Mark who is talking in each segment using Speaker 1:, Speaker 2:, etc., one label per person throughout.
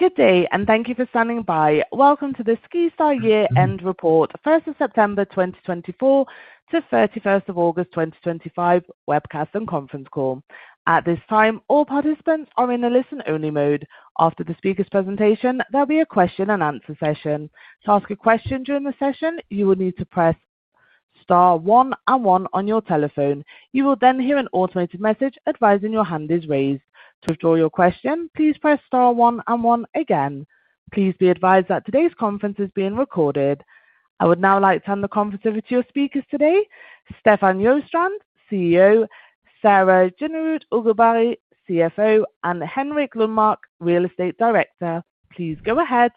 Speaker 1: Good day, and thank you for standing by. Welcome to the SkiStar Year-End Report, 1st of September 2024 to 31st of August 2025, webcast and conference call. At this time, all participants are in a listen-only mode. After the speaker's presentation, there will be a question and answer session. To ask a question during the session, you will need to press *1 and 1 on your telephone. You will then hear an automated message advising your hand is raised. To withdraw your question, please press *1 and 1 again. Please be advised that today's conference is being recorded. I would now like to hand the conference over to your speakers today: Stefan Sjöstrand, CEO; Sara Jinnerot Uggelberg, CFO; and Henrik Lundmark, Real Estate Director. Please go ahead.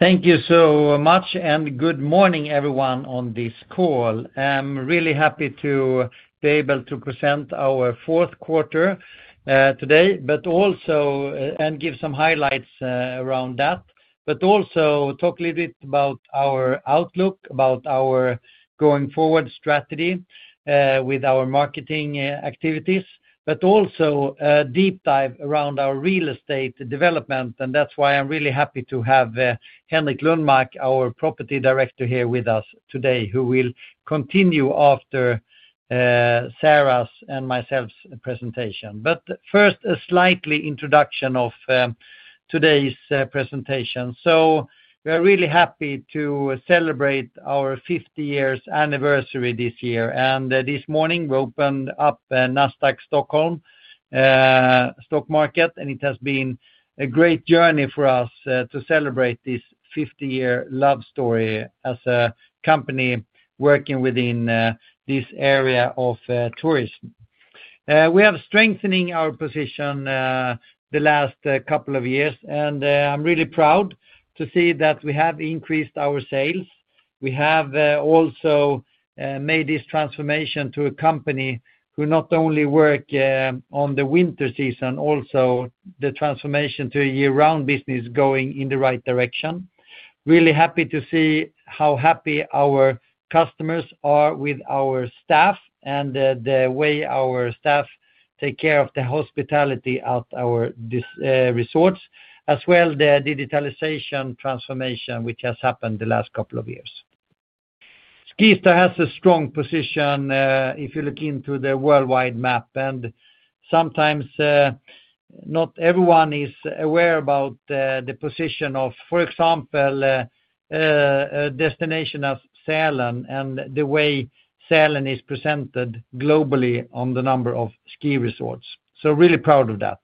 Speaker 2: Thank you so much, and good morning, everyone, on this call. I'm really happy to be able to present our fourth quarter today, but also give some highlights around that. I will also talk a little bit about our outlook, about our going-forward strategy with our marketing activities. There will also be a deep dive around our real estate development, and that's why I'm really happy to have Henrik Lundmark, our Real Estate Director, here with us today, who will continue after Sara's and my presentation. First, a slight introduction of today's presentation. We are really happy to celebrate our 50-year anniversary this year. This morning, we opened up Nasdaq Stockholm stock market, and it has been a great journey for us to celebrate this 50-year love story as a company working within this area of tourism. We have strengthened our position the last couple of years, and I'm really proud to see that we have increased our sales. We have also made this transformation to a company who not only works on the winter season, but also the transformation to a year-round business going in the right direction. I'm really happy to see how happy our customers are with our staff and the way our staff take care of the hospitality at our resorts, as well as the digitalization transformation which has happened the last couple of years. SkiStar has a strong position, if you look into the worldwide map, and sometimes not everyone is aware about the position of, for example, a destination as Sälen and the way Sälen is presented globally on the number of ski resorts. I'm really proud of that.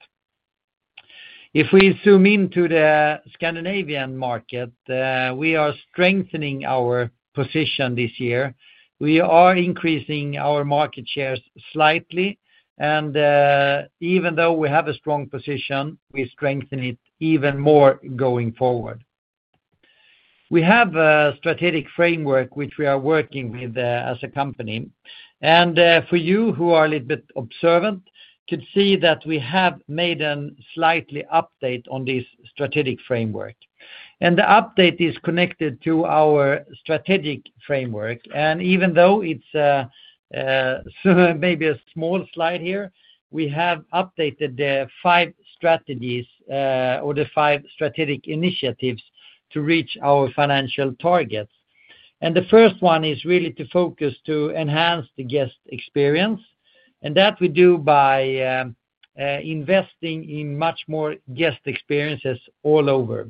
Speaker 2: If we zoom into the Scandinavian market, we are strengthening our position this year. We are increasing our market shares slightly, and even though we have a strong position, we strengthen it even more going forward. We have a strategic framework which we are working with as a company, and for you who are a little bit observant, you could see that we have made a slight update on this strategic framework. The update is connected to our strategic framework, and even though it's maybe a small slide here, we have updated the five strategies, or the five strategic initiatives to reach our financial targets. The first one is really to focus to enhance the guest experience, and that we do by investing in much more guest experiences all over.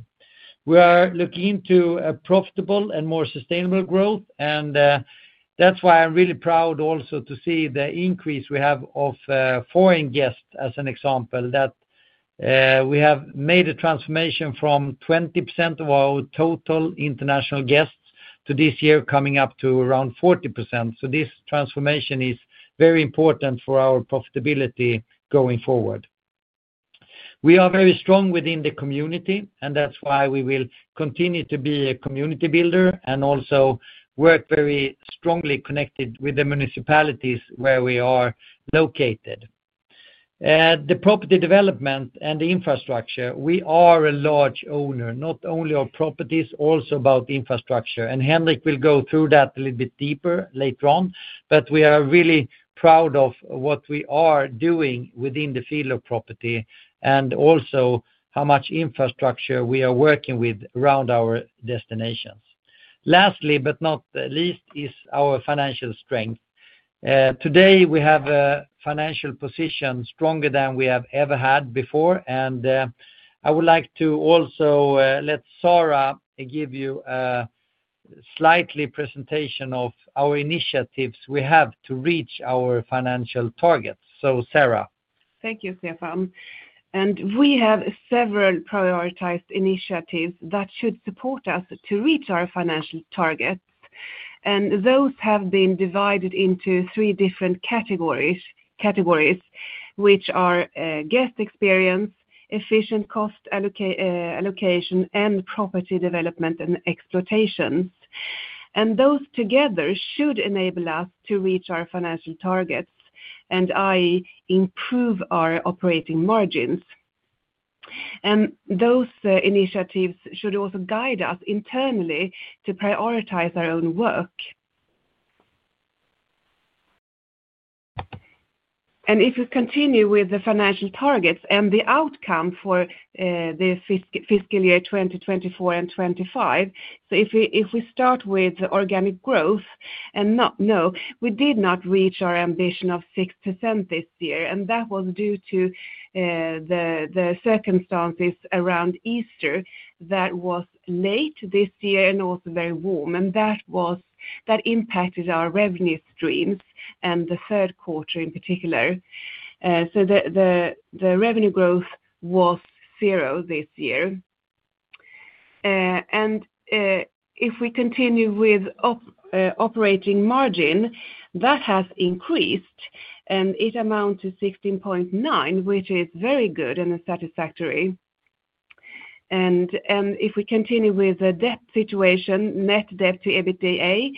Speaker 2: We are looking into a profitable and more sustainable growth, and that's why I'm really proud also to see the increase we have of foreign guests, as an example, that we have made a transformation from 20% of our total international guests to this year coming up to around 40%. This transformation is very important for our profitability going forward. We are very strong within the community, and that's why we will continue to be a community builder and also work very strongly connected with the municipalities where we are located. The property development and the infrastructure, we are a large owner, not only of properties, also about infrastructure. Henrik will go through that a little bit deeper later on, but we are really proud of what we are doing within the field of property and also how much infrastructure we are working with around our destinations. Lastly, but not least, is our financial strength. Today we have a financial position stronger than we have ever had before, and I would like to also let Sara give you a slight presentation of our initiatives we have to reach our financial targets. So, Sara.
Speaker 3: Thank you, Stefan. We have several prioritized initiatives that should support us to reach our financial targets. Those have been divided into three different categories, which are guest experience, efficient cost allocation, and property development and exploitation. Those together should enable us to reach our financial targets, i.e., improve our operating margins. Those initiatives should also guide us internally to prioritize our own work. If you continue with the financial targets and the outcome for the fiscal year 2024 and 2025, if we start with organic growth, no, we did not reach our ambition of 6% this year, and that was due to the circumstances around Easter that were late this year and also very warm. That impacted our revenue streams and the third quarter in particular. The revenue growth was zero this year. If we continue with operating margin, that has increased and it amounts to 16.9%, which is very good and satisfactory. If we continue with the debt situation, net debt/EBITDA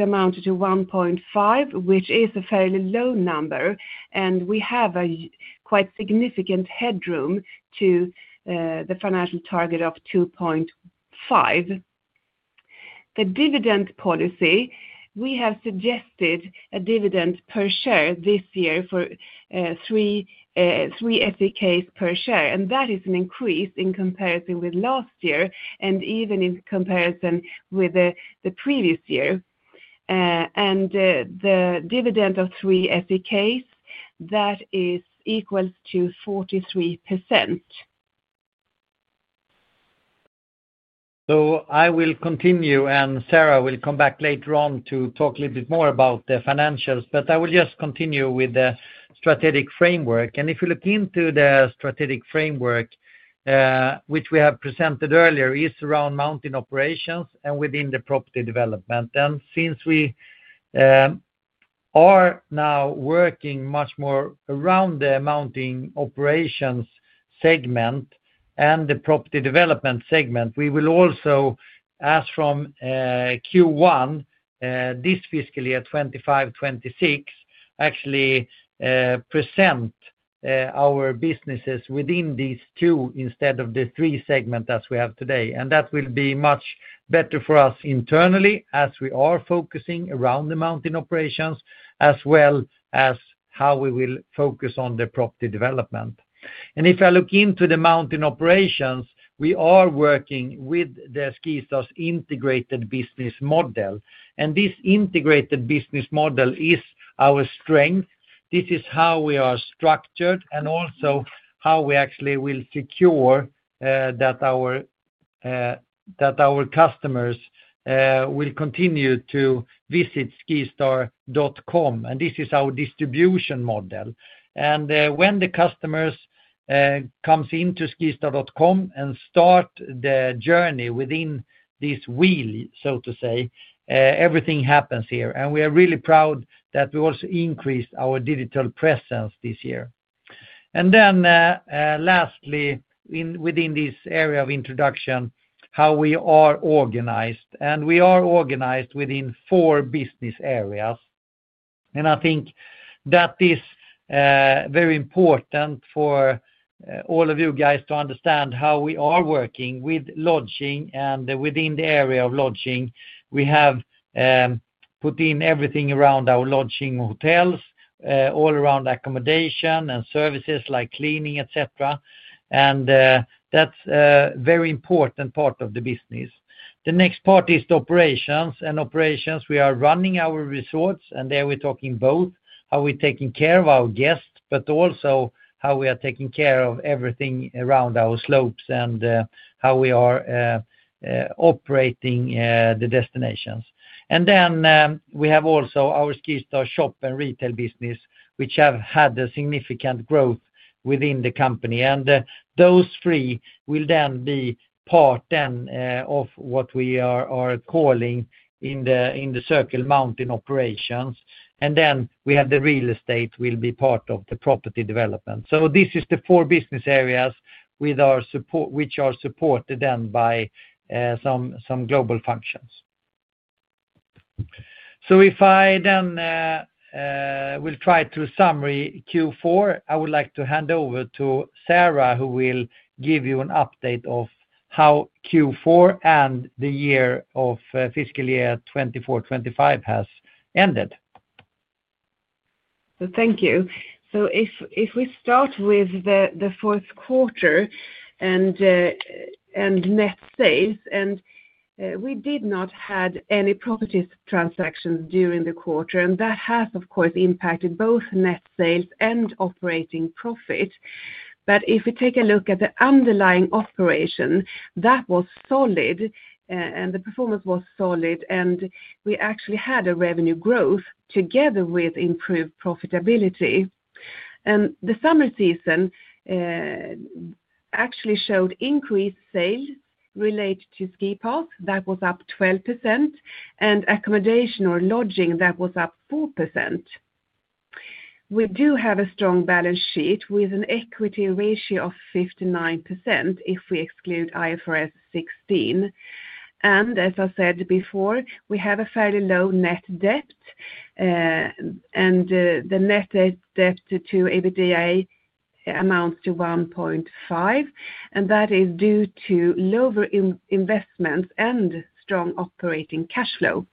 Speaker 3: amounted to 1.5, which is a fairly low number, and we have a quite significant headroom to the financial target of 2.5. The dividend policy, we have suggested a dividend per share this year of 3 per share, and that is an increase in comparison with last year and even in comparison with the previous year. The dividend of SEK 3 equals 43%.
Speaker 2: I will continue, and Sara will come back later on to talk a little bit more about the financials. I will just continue with the strategic framework. If you look into the strategic framework, which we have presented earlier, it's around mounting operations and within the property development. Since we are now working much more around the mounting operations segment and the property development segment, we will also, as from Q1, this fiscal year 2025/2026, actually present our businesses within these two instead of the three segments as we have today. That will be much better for us internally as we are focusing around the mounting operations as well as how we will focus on the property development. If I look into the mounting operations, we are working with SkiStar's integrated business model. This integrated business model is our strength. This is how we are structured and also how we actually will secure that our customers will continue to visit skistar.com. This is our distribution model. When the customers come into skistar.com and start the journey within this wheel, so to say, everything happens here. We are really proud that we also increased our digital presence this year. Lastly, within this area of introduction, how we are organized. We are organized within four business areas. I think that is very important for all of you guys to understand how we are working with lodging and within the area of lodging. We have put in everything around our lodging hotels, all around accommodation and services like cleaning, etc. That's a very important part of the business. The next part is the operations. In operations, we are running our resorts, and there we're talking both how we're taking care of our guests, but also how we are taking care of everything around our slopes and how we are operating the destinations. We have also our SkiStar shop and retail business, which have had significant growth within the company. Those three will then be part of what we are calling in the circle mounting operations. The real estate will be part of the property development. This is the four business areas with our support, which are supported then by some global functions. If I then try to summarize Q4, I would like to hand over to Sara, who will give you an update of how Q4 and the year of fiscal year 2024/2025 has ended.
Speaker 3: Thank you. If we start with the fourth quarter and net sales, we did not have any property transactions during the quarter, and that has, of course, impacted both net sales and operating profit. If we take a look at the underlying operation, that was solid, and the performance was solid, and we actually had a revenue growth together with improved profitability. The summer season actually showed increased sales related to ski passes. That was up 12%. Accommodation or lodging was up 4%. We do have a strong balance sheet with an equity ratio of 59% if we exclude IFRS 16. As I said before, we have a fairly low net debt, and the net debt/EBITDA amounts to 1.5. That is due to lower investments and strong operating cash flow.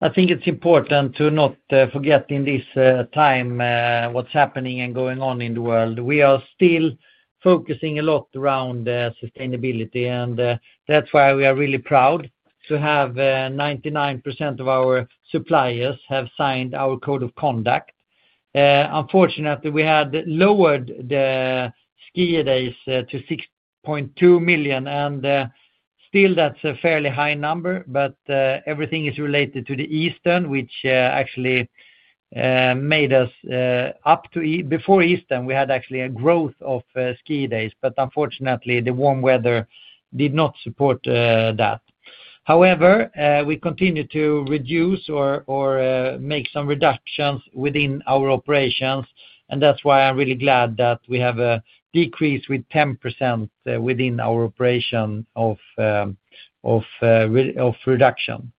Speaker 2: I think it's important to not forget in this time what's happening and going on in the world. We are still focusing a lot around sustainability, and that's why we are really proud to have 99% of our suppliers have signed our code of conduct. Unfortunately, we had lowered the ski days to 6.2 million, and still, that's a fairly high number, but everything is related to the Easter, which actually made us up to before Easter, we had actually a growth of ski days. Unfortunately, the warm weather did not support that. However, we continue to reduce or make some reductions within our operations, and that's why I'm really glad that we have decreased with 10% within our operation of reduction.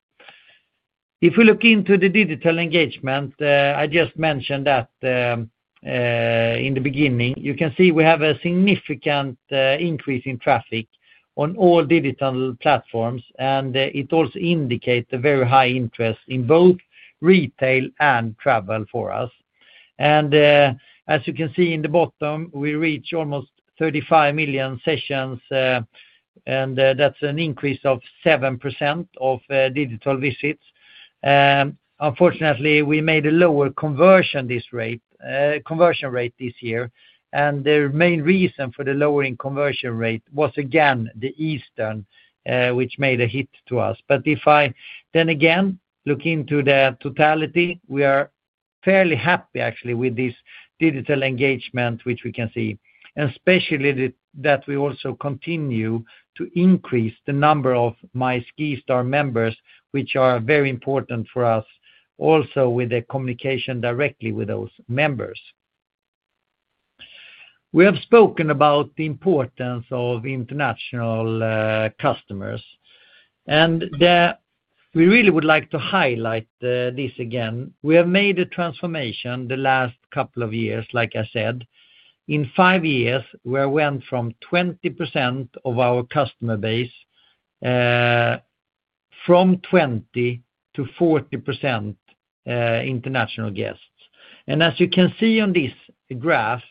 Speaker 2: If we look into the digital engagement, I just mentioned that in the beginning, you can see we have a significant increase in traffic on all digital platforms, and it also indicates a very high interest in both retail and travel for us. As you can see in the bottom, we reach almost 35 million sessions, and that's an increase of 7% of digital visits. Unfortunately, we made a lower conversion rate this year, and the main reason for the lowering conversion rate was, again, the Easter, which made a hit to us. If I then again look into the totality, we are fairly happy, actually, with this digital engagement, which we can see, and especially that we also continue to increase the number of My SkiStar members, which are very important for us, also with the communication directly with those members. We have spoken about the importance of international customers, and we really would like to highlight this again. We have made a transformation the last couple of years, like I said. In five years, we went from 20% of our customer base from 20% to 40% international guests. As you can see on this graph,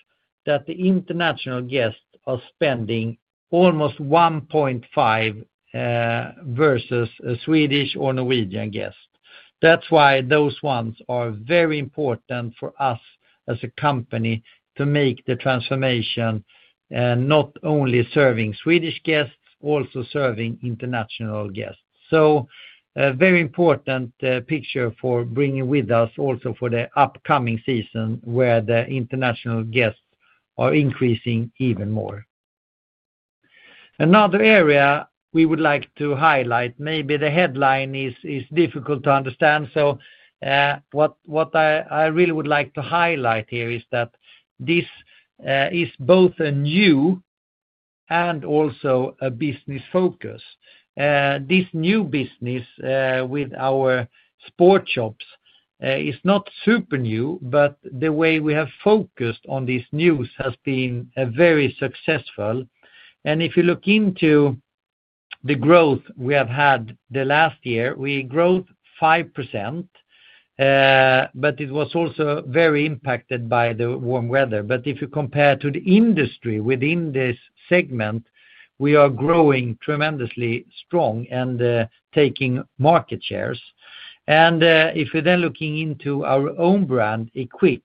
Speaker 2: the international guests are spending almost 1.5 versus a Swedish or Norwegian guest. That's why those ones are very important for us as a company to make the transformation, not only serving Swedish guests, also serving international guests. A very important picture for bringing with us also for the upcoming season where the international guests are increasing even more. Another area we would like to highlight, maybe the headline is difficult to understand. What I really would like to highlight here is that this is both a new and also a business focus. This new business, with our sport shops, is not super new, but the way we have focused on these now has been very successful. If you look into the growth we have had the last year, we grew 5%, but it was also very impacted by the warm weather. If you compare to the industry within this segment, we are growing tremendously strong and taking market shares. If you're then looking into our own brand, Equip,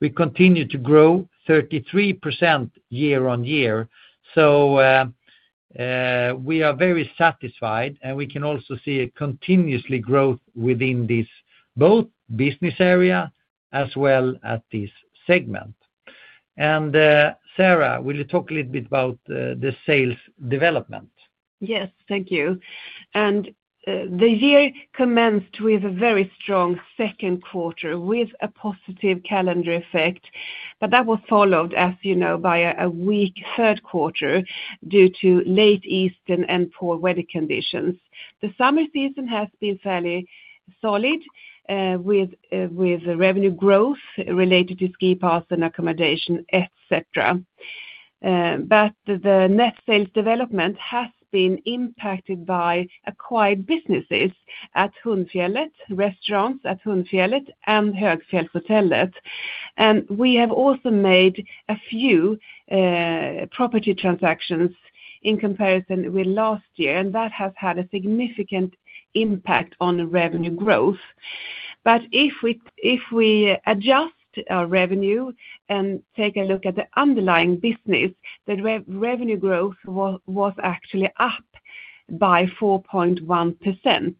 Speaker 2: we continue to grow 33% year on year. We are very satisfied, and we can also see a continuous growth within this both business area as well as this segment. Sara, will you talk a little bit about the sales development?
Speaker 3: Yes, thank you. The year commenced with a very strong second quarter with a positive calendar effect, but that was followed, as you know, by a weak third quarter due to late Easter and poor weather conditions. The summer season has been fairly solid, with revenue growth related to ski passes and accommodation, etc., but the net sales development has been impacted by acquired businesses at Hundfjellet, restaurants at Hundfjellet, and Högfjällshotellet. We have also made a few property transactions in comparison with last year, and that has had a significant impact on revenue growth. If we adjust our revenue and take a look at the underlying business, the revenue growth was actually up by 4.1%.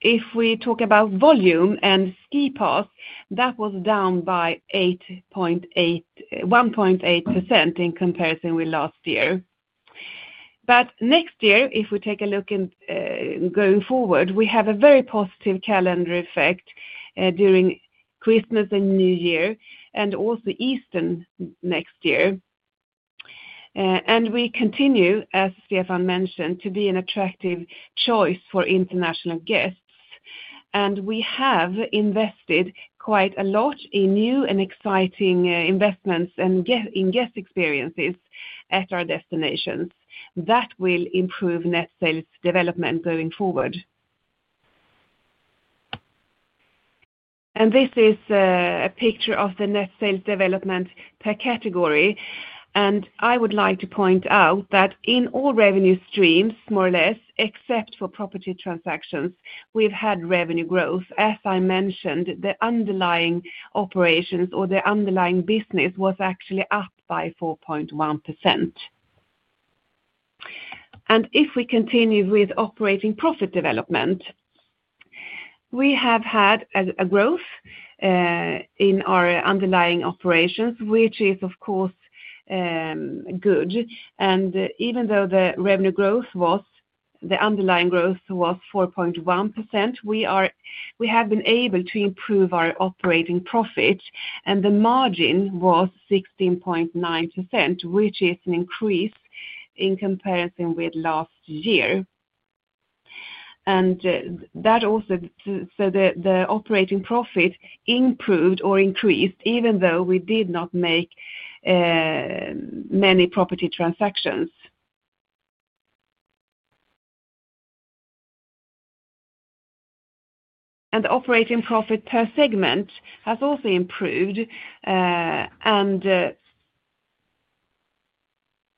Speaker 3: If we talk about volume and ski passes, that was down by 1.8% in comparison with last year. Next year, if we take a look at going forward, we have a very positive calendar effect during Christmas and New Year and also Easter next year. We continue, as Stefan mentioned, to be an attractive choice for international guests. We have invested quite a lot in new and exciting investments and in guest experiences at our destinations. That will improve net sales development going forward. This is a picture of the net sales development per category. I would like to point out that in all revenue streams, more or less, except for property transactions, we've had revenue growth. As I mentioned, the underlying operations or the underlying business was actually up by 4.1%. If we continue with operating profit development, we have had a growth in our underlying operations, which is, of course, good. Even though the revenue growth was the underlying growth was 4.1%, we have been able to improve our operating profit, and the margin was 16.9%, which is an increase in comparison with last year. That also means the operating profit improved or increased, even though we did not make many property transactions. The operating profit per segment has also improved.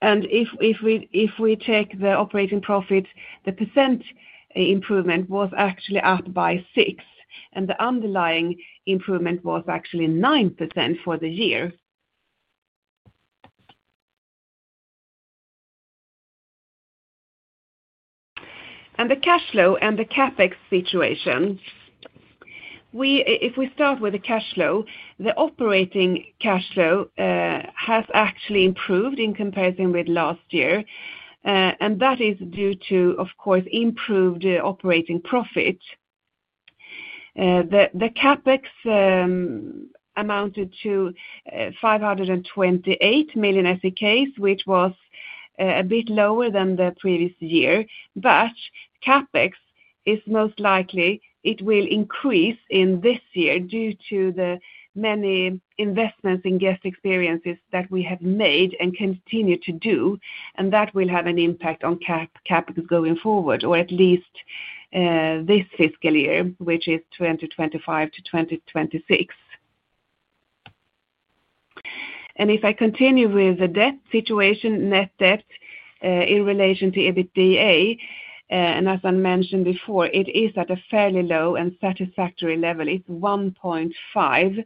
Speaker 3: If we check the operating profit, the percent improvement was actually up by 6%. The underlying improvement was actually 9% for the year. The cash flow and the CapEx situation, if we start with the cash flow, the operating cash flow has actually improved in comparison with last year. That is due to, of course, improved operating profit. The CapEx amounted to 528 million SEK, which was a bit lower than the previous year. CapEx is most likely it will increase in this year due to the many investments in guest experiences that we have made and continue to do. That will have an impact on CapEx going forward, or at least this fiscal year, which is 2025 to 2026. If I continue with the debt situation, net debt in relation to EBITDA, as I mentioned before, it is at a fairly low and satisfactory level. It's 1.5,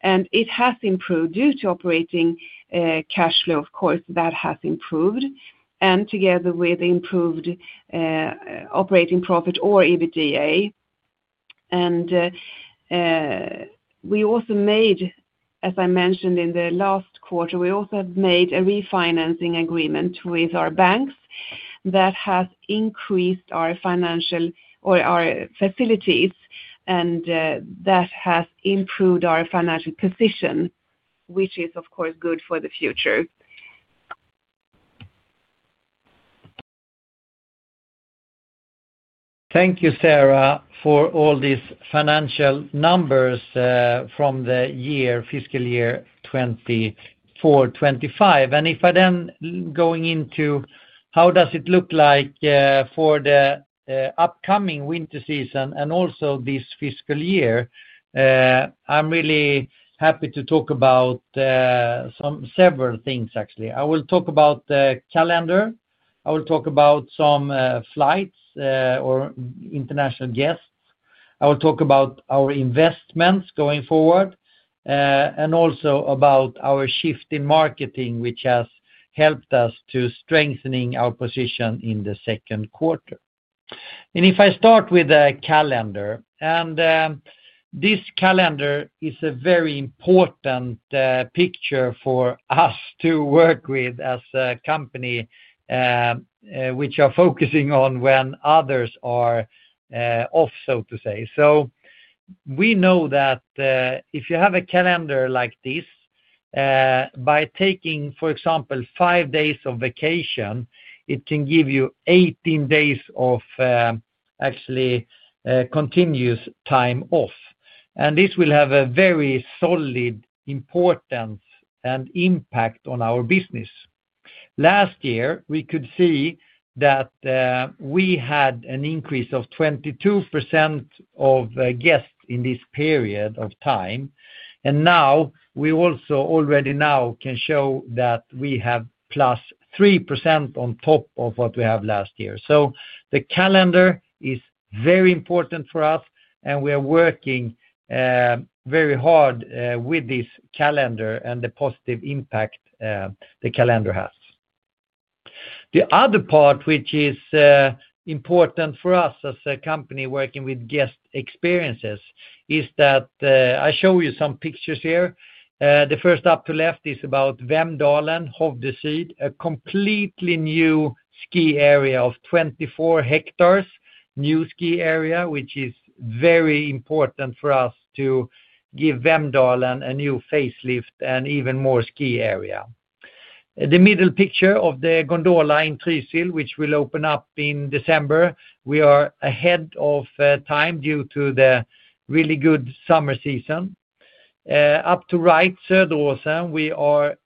Speaker 3: and it has improved due to operating cash flow. Of course, that has improved, together with the improved operating profit or EBITDA. We also made, as I mentioned in the last quarter, a refinancing agreement with our banks that has increased our financial facilities, and that has improved our financial position, which is, of course, good for the future.
Speaker 2: Thank you, Sara, for all these financial numbers from the year, fiscal year 2024/2025. If I then go into how it looks for the upcoming winter season and also this fiscal year, I'm really happy to talk about several things, actually. I will talk about the calendar, some flights or international guests, our investments going forward, and also about our shift in marketing, which has helped us to strengthen our position in the second quarter. If I start with the calendar, this calendar is a very important picture for us to work with as a company, which is focusing on when others are off, so to say. We know that if you have a calendar like this, by taking, for example, five days of vacation, it can give you 18 days of actually continuous time off. This will have a very solid, important impact on our business. Last year, we could see that we had an increase of 22% of guests in this period of time. Now we also already can show that we have plus 3% on top of what we had last year. The calendar is very important for us, and we are working very hard with this calendar and the positive impact the calendar has. The other part, which is important for us as a company working with guest experiences, is that I show you some pictures here. The first up to left is about Vemdalen Hovdesyd, a completely new ski area of 24 hectares, new ski area, which is very important for us to give Vemdalen a new facelift and even more ski area. The middle picture of the gondola in Trysil, which will open up in December. We are ahead of time due to the really good summer season. Up to right, Söderåsen, we are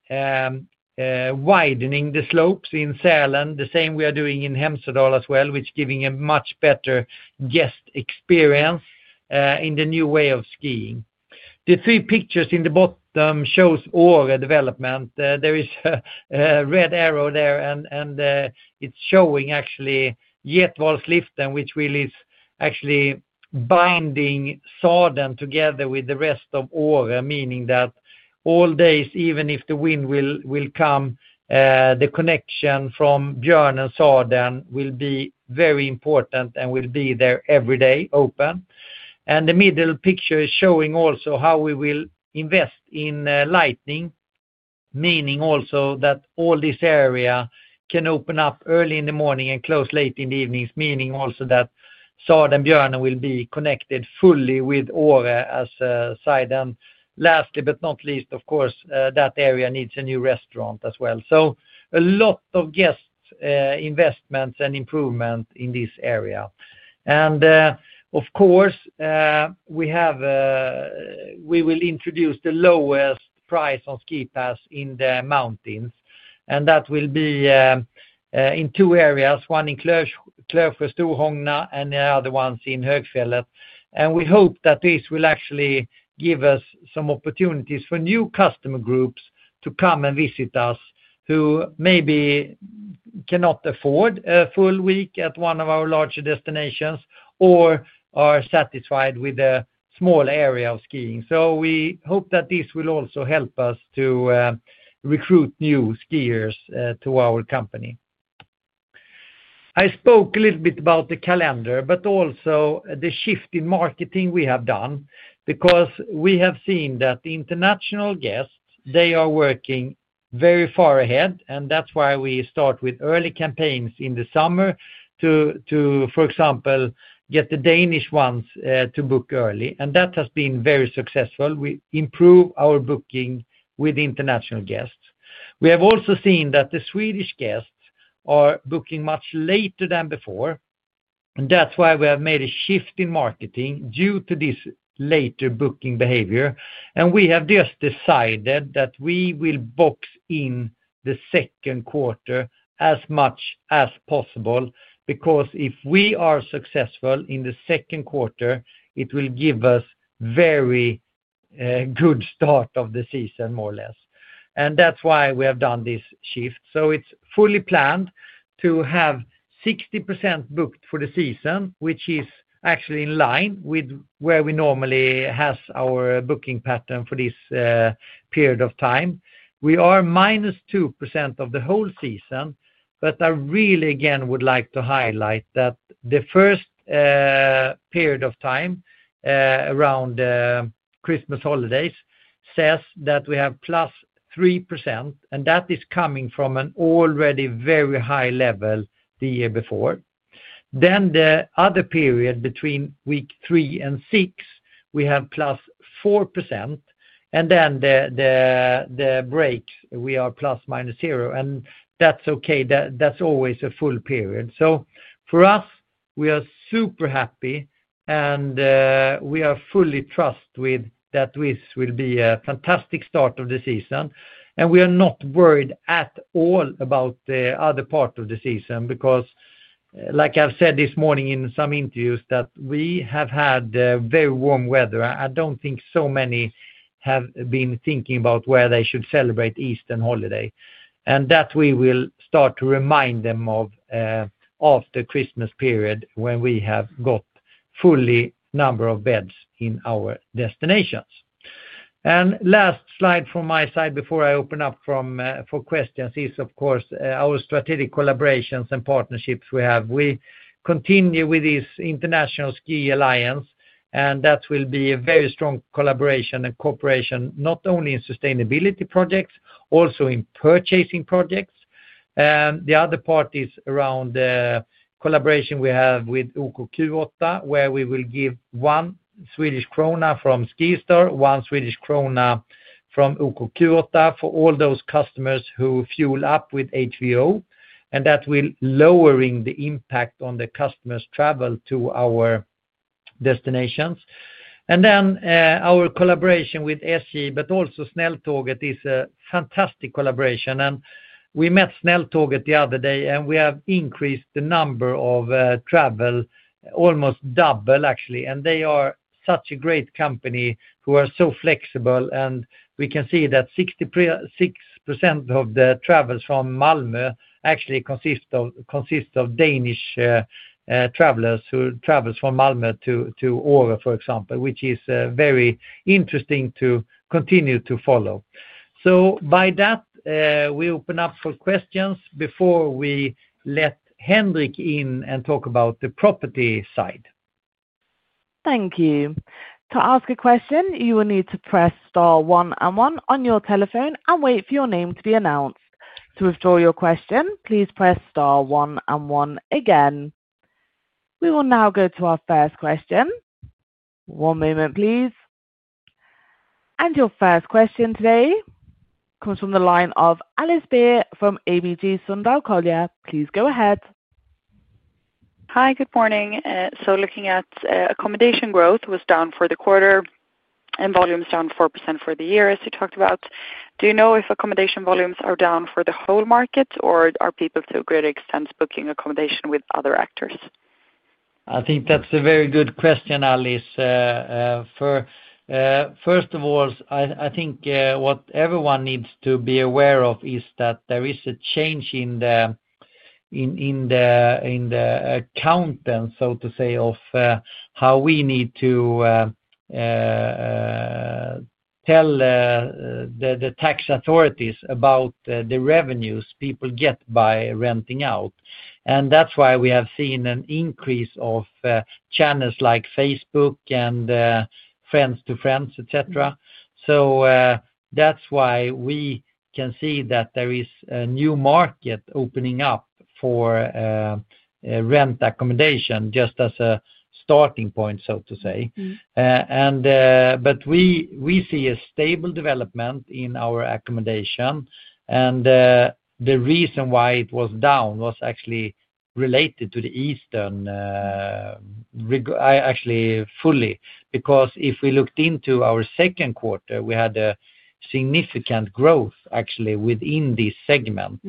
Speaker 2: widening the slopes in Sälen, the same we are doing in Hemsedal as well, which is giving a much better guest experience in the new way of skiing. The three pictures in the bottom show Åre development. There is a red arrow there, and it's showing actually Getvalsliften, which really is actually binding Såden together with the rest of Åre, meaning that all days, even if the wind will come, the connection from Björnen and Såden will be very important and will be there every day open. The middle picture is showing also how we will invest in lighting, meaning also that all this area can open up early in the morning and close late in the evenings, meaning also that Såden and Björnen will be connected fully with Åre as a side. Lastly but not least, of course, that area needs a new restaurant as well. A lot of guest investments and improvement in this area. Of course, we will introduce the lowest price on ski passes in the mountain. That will be in two areas, one in Klöverstorhångna and the other one in Högfjället. We hope that this will actually give us some opportunities for new customer groups to come and visit us who maybe cannot afford a full week at one of our larger destinations or are satisfied with a small area of skiing. We hope that this will also help us to recruit new skiers to our company. I spoke a little bit about the calendar, but also the shift in marketing we have done because we have seen that international guests are working very far ahead. That's why we start with early campaigns in the summer to, for example, get the Danish ones to book early. That has been very successful. We improve our booking with international guests. We have also seen that the Swedish guests are booking much later than before. That's why we have made a shift in marketing due to this later booking behavior. We have just decided that we will box in the second quarter as much as possible because if we are successful in the second quarter, it will give us a very good start of the season, more or less. That's why we have done this shift. It's fully planned to have 60% booked for the season, which is actually in line with where we normally have our booking pattern for this period of time. We are minus 2% of the whole season, but I really, again, would like to highlight that the first period of time, around the Christmas holidays, says that we have plus 3%. That is coming from an already very high level the year before. The other period between week three and six, we have plus 4%. The breaks, we are plus minus zero. That's okay. That's always a full period. For us, we are super happy, and we are fully trusted with that this will be a fantastic start of the season. We are not worried at all about the other part of the season because, like I've said this morning in some interviews, we have had very warm weather. I don't think so many have been thinking about where they should celebrate Easter holiday. We will start to remind them of that after the Christmas period when we have got fully number of beds in our destinations. Last slide from my side before I open up for questions is, of course, our strategic collaborations and partnerships we have. We continue with this International Ski Alliance, and that will be a very strong collaboration and cooperation not only in sustainability projects, also in purchasing projects. The other part is around the collaboration we have with OKQ8 where we will give 1 SEK from SkiStar, 1 Swedish krona from OKQ8 for all those customers who fuel up with HVO. That will lower the impact on the customers' travel to our destinations. Our collaboration with SJ, but also Snälltåget, is a fantastic collaboration. We met Snälltåget the other day, and we have increased the number of travel, almost double actually. They are such a great company who are so flexible. We can see that 66% of the travels from Malmö actually consist of Danish travelers who travel from Malmö to Åre, for example, which is very interesting to continue to follow. By that, we open up for questions before we let Henrik in and talk about the property side.
Speaker 1: Thank you. To ask a question, you will need to press *1 and 1 on your telephone and wait for your name to be announced. To withdraw your question, please press *1 and 1 again. We will now go to our first question. One moment, please. Your first question today comes from the line of Alice Beer from ABG Sundal Collier. Please go ahead.
Speaker 4: Hi, good morning. Looking at accommodation growth, it was down for the quarter, and volumes down 4% for the year, as you talked about. Do you know if accommodation volumes are down for the whole market, or are people to a greater extent booking accommodation with other actors?
Speaker 2: I think that's a very good question, Alice. First of all, I think what everyone needs to be aware of is that there is a change in the accountant, so to say, of how we need to tell the tax authorities about the revenues people get by renting out. That's why we have seen an increase of channels like Facebook and Friends to Friends, etc. That's why we can see that there is a new market opening up for rent accommodation just as a starting point, so to say. We see a stable development in our accommodation. The reason why it was down was actually related to the Eastern, actually fully, because if we looked into our second quarter, we had a significant growth actually within this segment.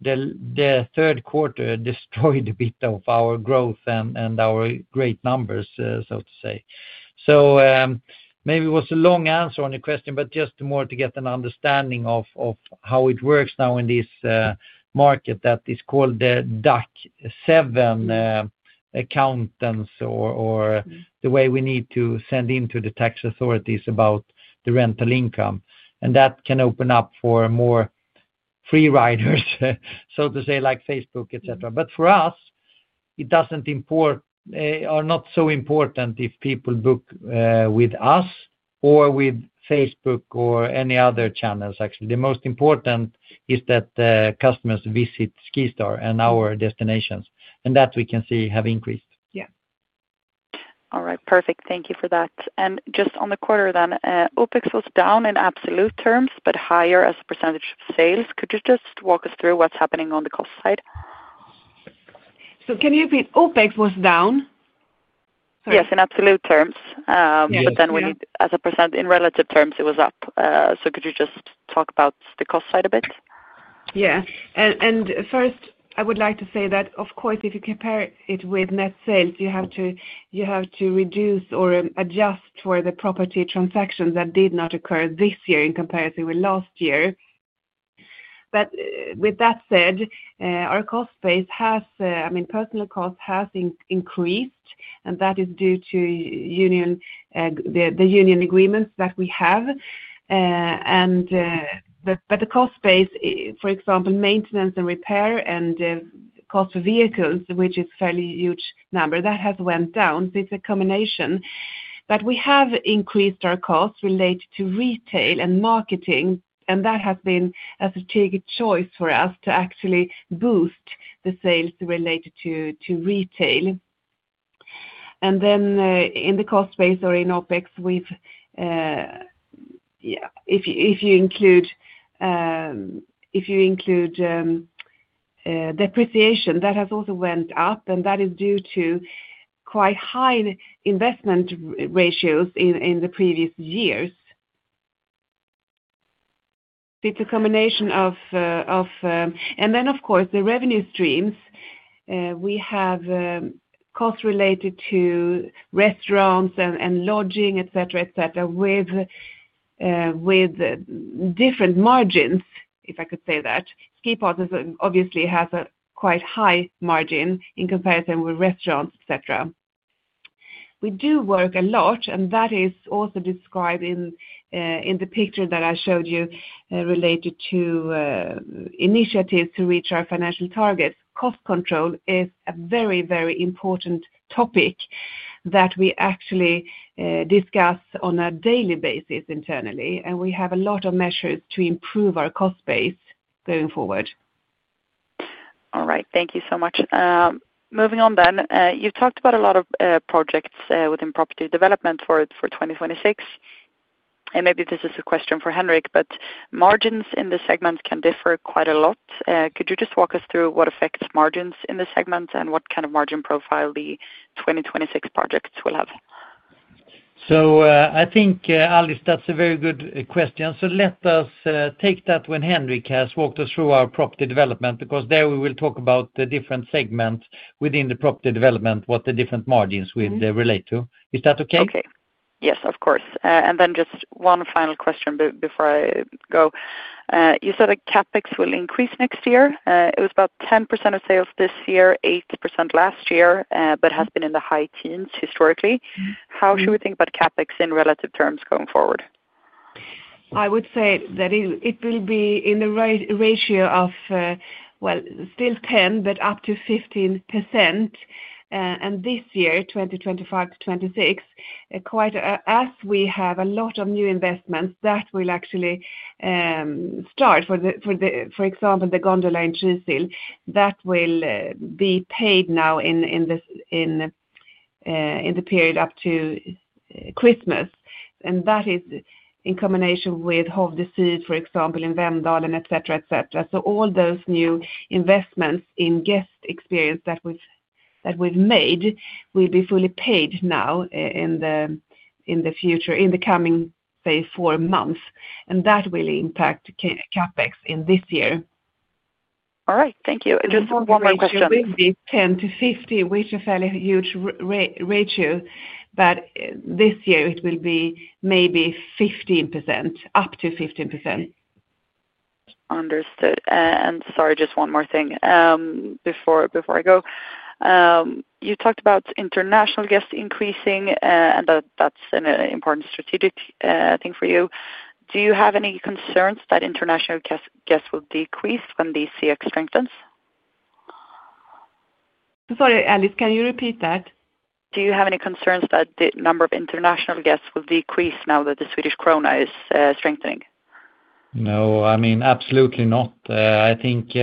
Speaker 2: The third quarter destroyed a bit of our growth and our great numbers, so to say. Maybe it was a long answer on your question, but just more to get an understanding of how it works now in this market that is called the DAC 7 accountants or the way we need to send in to the tax authorities about the rental income. That can open up for more free riders, so to say, like Facebook, etc. For us, it doesn't import or not so important if people book with us or with Facebook or any other channels, actually. The most important is that customers visit SkiStar and our destinations. That we can see have increased.
Speaker 4: All right. Perfect. Thank you for that. Just on the quarter then, OpEx was down in absolute terms, but higher as a percentage of sales. Could you just walk us through what's happening on the cost side?
Speaker 3: Can you repeat? OpEx was down?
Speaker 4: Yes, in absolute terms. When you look at it as a % in relative terms, it was up. Could you just talk about the cost side a bit?
Speaker 3: Yeah. First, I would like to say that, of course, if you compare it with net sales, you have to reduce or adjust for the property transactions that did not occur this year in comparison with last year. With that said, our cost base has, I mean, personnel cost has increased, and that is due to the union agreements that we have. The cost base, for example, maintenance and repair and cost for vehicles, which is a fairly huge number, has gone down. It is a combination. We have increased our costs related to retail and marketing, and that has been a strategic choice for us to actually boost the sales related to retail. In the cost base or in OpEx, if you include depreciation, that has also gone up, and that is due to quite high investment ratios in the previous years. It is a combination. Of course, the revenue streams, we have costs related to restaurants and lodging, etc., with different margins, if I could say that. Ski passes obviously have a quite high margin in comparison with restaurants, etc. We do work a lot, and that is also described in the picture that I showed you related to initiatives to reach our financial targets. Cost control is a very, very important topic that we actually discuss on a daily basis internally, and we have a lot of measures to improve our cost base going forward.
Speaker 4: All right. Thank you so much. Moving on, you've talked about a lot of projects within property development for 2026. Maybe this is a question for Henrik, but margins in the segment can differ quite a lot. Could you just walk us through what affects margins in the segment and what kind of margin profile the 2026 projects will have?
Speaker 2: I think, Alice, that's a very good question. Let us take that when Henrik has walked us through our property development because there we will talk about the different segments within the property development, what the different margins would relate to. Is that okay?
Speaker 4: Okay. Yes, of course. Just one final question before I go. You said that CapEx will increase next year. It was about 10% of sales this year, 8% last year, but has been in the high teens historically. How should we think about CapEx in relative terms going forward?
Speaker 3: I would say that it will be in the ratio of, still 10%, but up to 15%. This year, 2025 to 2026, as we have a lot of new investments, that will actually start for, for example, the gondola in Trysil. That will be paid now in the period up to Christmas. That is in combination with Hovdesyd, for example, in Vemdalen, etc., etc. All those new investments in guest experience that we've made will be fully paid now in the future, in the coming, say, four months. That will impact CapEx in this year.
Speaker 4: All right. Thank you. Just one more question.
Speaker 3: This year will be 10 to 50, which is a fairly huge ratio. This year, it will be maybe 15%, up to 15%.
Speaker 4: Understood. Sorry, just one more thing before I go. You talked about international guests increasing, and that's an important strategic thing for you. Do you have any concerns that international guests will decrease when the SEK strengthens?
Speaker 3: Sorry, Alice, can you repeat that?
Speaker 4: Do you have any concerns that the number of international guests will decrease now that the Swedish krona is strengthening?
Speaker 2: No, I mean, absolutely not. I think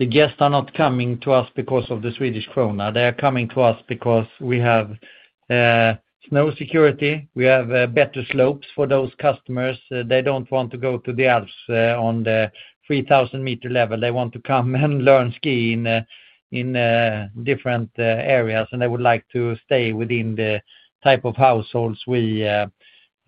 Speaker 2: the guests are not coming to us because of the Swedish krona. They are coming to us because we have snow security. We have better slopes for those customers. They don't want to go to the Alps on the 3,000-meter level. They want to come and learn skiing in different areas. They would like to stay within the type of households we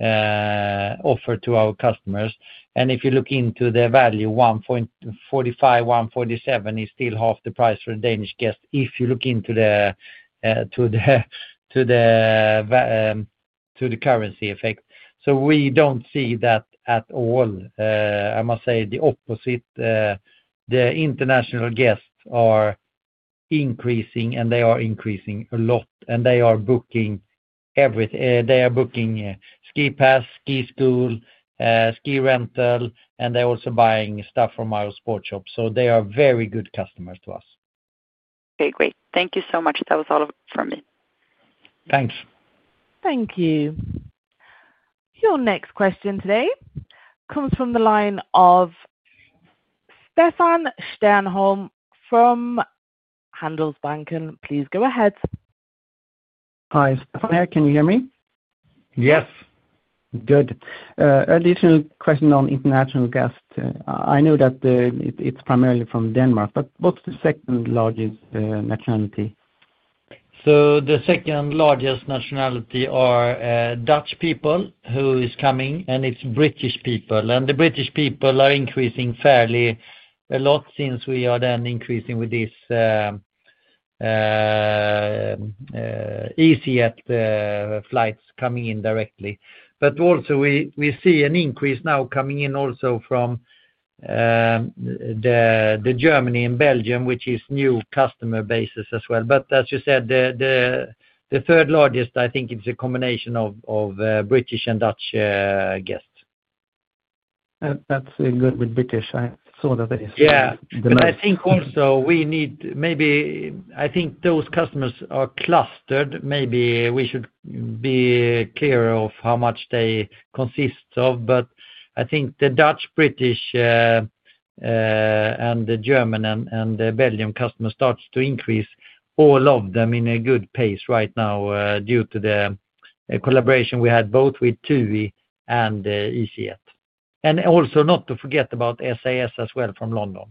Speaker 2: offer to our customers. If you look into the value, 1.45, 1.47 is still half the price for a Danish guest if you look into the currency effect. We don't see that at all. I must say the opposite. The international guests are increasing, and they are increasing a lot. They are booking everything. They are booking ski passes, ski school, ski rental, and they're also buying stuff from our sport shop. They are very good customers to us.
Speaker 4: Okay, great. Thank you so much. That was all for me.
Speaker 2: Thanks.
Speaker 1: Thank you. Your next question today comes from the line of Stefan Stjernholm from Handelsbanken. Please go ahead.
Speaker 5: Hi, Stefan. Can you hear me?
Speaker 2: Yes.
Speaker 5: Good. Additional question on international guests. I know that it's primarily from Denmark, but what's the second largest nationality?
Speaker 2: The second largest nationality are Dutch people who are coming, and it's British people. The British people are increasing fairly a lot since we are then increasing with these EasyJet flights coming in directly. We also see an increase now coming in from Germany and Belgium, which is new customer bases as well. As you said, the third largest, I think, is a combination of British and Dutch guests. That's good with British. I saw that. I think also we need maybe, I think those customers are clustered. Maybe we should be clear of how much they consist of. I think the Dutch, British, the German, and the Belgian customers start to increase, all of them at a good pace right now due to the collaboration we had both with TUI and EasyJet. Also, not to forget about SAS as well from London.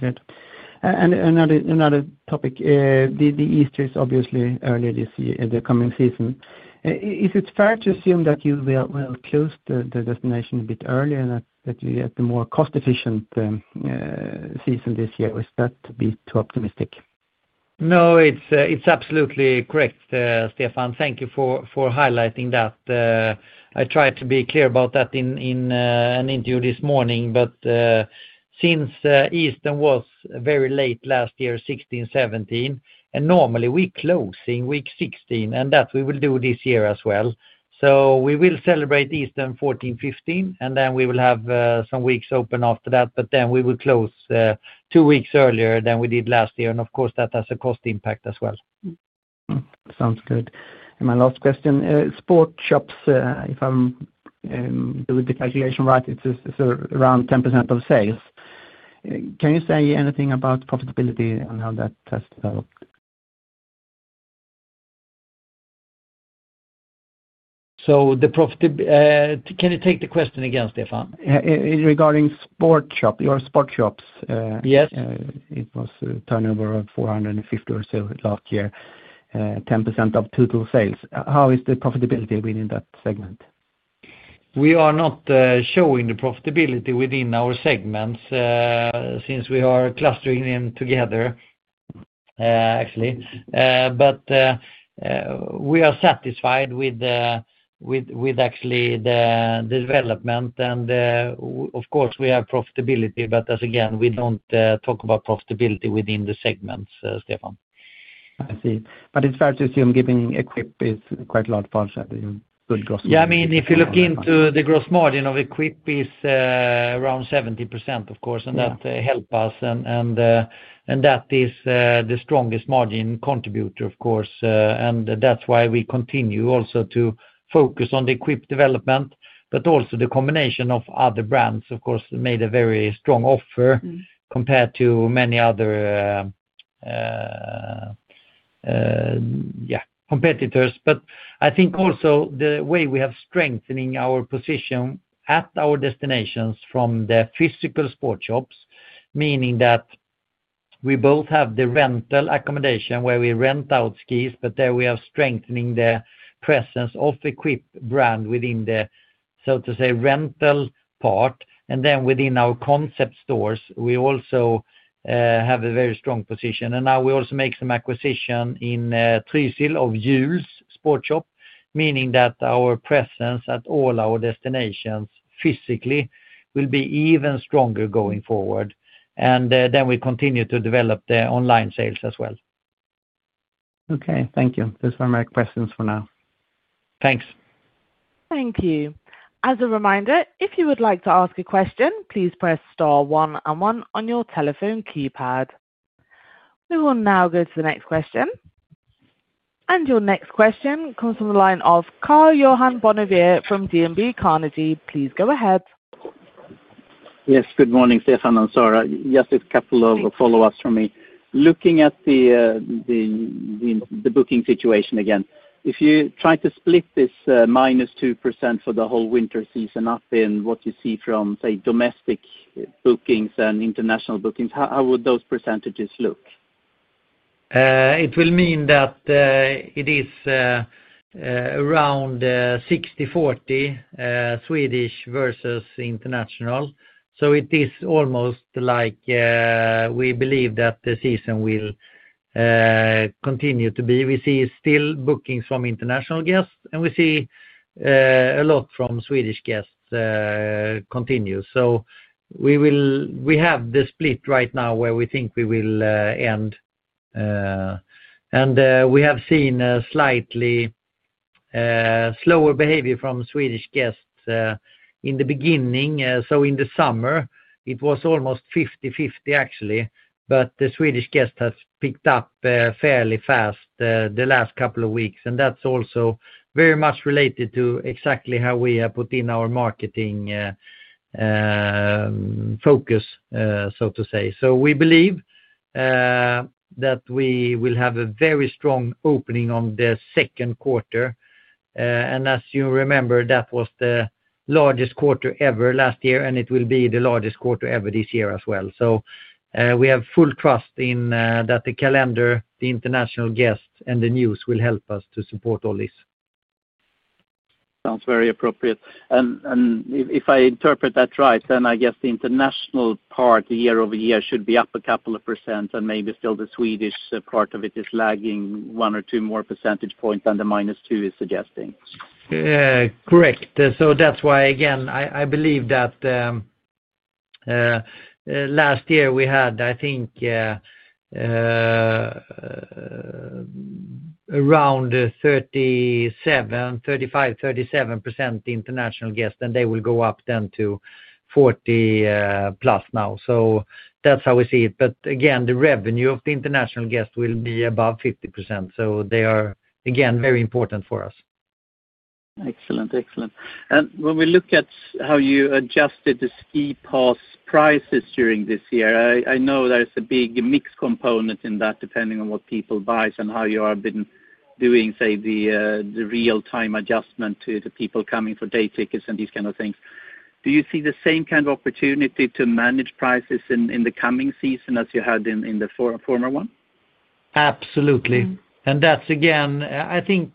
Speaker 2: Good. Another topic, the Easter is obviously early this year in the coming season.
Speaker 5: Is it fair to assume that you will close the destination a bit earlier and that you get the more cost-efficient season this year? Is that to be too optimistic?
Speaker 2: No, it's absolutely correct, Stefan. Thank you for highlighting that. I tried to be clear about that in an interview this morning. Since Easter was very late last year, 2016/2017, and normally we close in week 16, and that we will do this year as well. We will celebrate Easter 14/15, and then we will have some weeks open after that. We will close two weeks earlier than we did last year. Of course, that has a cost impact as well.
Speaker 6: Sounds good. My last question, sport shops, if I'm doing the calculation right, it's around 10% of sales. Can you say anything about profitability and how that has helped?
Speaker 2: The profitability, can you take the question again, Stefan?
Speaker 5: Regarding sport shops, your sport shops, yes, it was a turnover of 450 million or so last year, 10% of total sales. How is the profitability within that segment?
Speaker 2: We are not showing the profitability within our segments since we are clustering them together, actually. We are satisfied with actually the development. Of course, we have profitability, but again, we don't talk about profitability within the segments, Stefan.
Speaker 5: I see. It's fair to assume giving Equip is quite a lot of parts of the good gross.
Speaker 2: Yeah, I mean, if you look into the gross margin of Equip, it's around 70%, of course, and that helps us. That is the strongest margin contributor, of course. That's why we continue also to focus on the Equip development, but also the combination of other brands, of course, made a very strong offer compared to many other competitors. I think also the way we have strengthened our position at our destinations from the physical sport shops, meaning that we both have the rental accommodation where we rent out skis, but there we are strengthening the presence of the Equip brand within the, so to say, rental part. Within our concept stores, we also have a very strong position. Now we also make some acquisitions in Trysil of Juul's sport shop, meaning that our presence at all our destinations physically will be even stronger going forward. We continue to develop the online sales as well.
Speaker 5: Okay. Thank you. Those were my questions for now.
Speaker 2: Thanks.
Speaker 1: Thank you. As a reminder, if you would like to ask a question, please press star one and one on your telephone keypad. We will now go to the next question. Your next question comes from the line of Karl-Johan Bonnevier from DNB Carnegie. Please go ahead.
Speaker 7: Yes, good morning, Stefan. I'm sorry. Just a couple of follow-ups from me. Looking at the booking situation again, if you try to split this minus 2% for the whole winter season up in what you see from, say, domestic bookings and international bookings, how would those percentages look?
Speaker 2: It will mean that it is around 60/40 Swedish versus international. It is almost like we believe that the season will continue to be. We see still bookings from international guests, and we see a lot from Swedish guests continue. We have the split right now where we think we will end. We have seen a slightly slower behavior from Swedish guests in the beginning. In the summer, it was almost 50/50, actually. The Swedish guests have picked up fairly fast the last couple of weeks. That's also very much related to exactly how we have put in our marketing focus, so to say. We believe that we will have a very strong opening on the second quarter. As you remember, that was the largest quarter ever last year, and it will be the largest quarter ever this year as well. We have full trust in that the calendar, the international guests, and the news will help us to support all this.
Speaker 7: Sounds very appropriate. If I interpret that right, then I guess the international part year over year should be up a couple of percent, and maybe still the Swedish part of it is lagging one or two more percentage points than the minus 2% is suggesting.
Speaker 2: Correct. That's why, again, I believe that last year we had, I think, around 37%, 35%, 37% international guests, and they will go up then to 40% plus now. That's how we see it. Again, the revenue of the international guests will be above 50%. They are, again, very important for us.
Speaker 7: Excellent. Excellent. When we look at how you adjusted the ski pass prices during this year, I know there's a big mixed component in that depending on what people buy and how you have been doing, say, the real-time adjustment to the people coming for day tickets and these kind of things. Do you see the same kind of opportunity to manage prices in the coming season as you had in the former one?
Speaker 2: Absolutely. That's, again, I think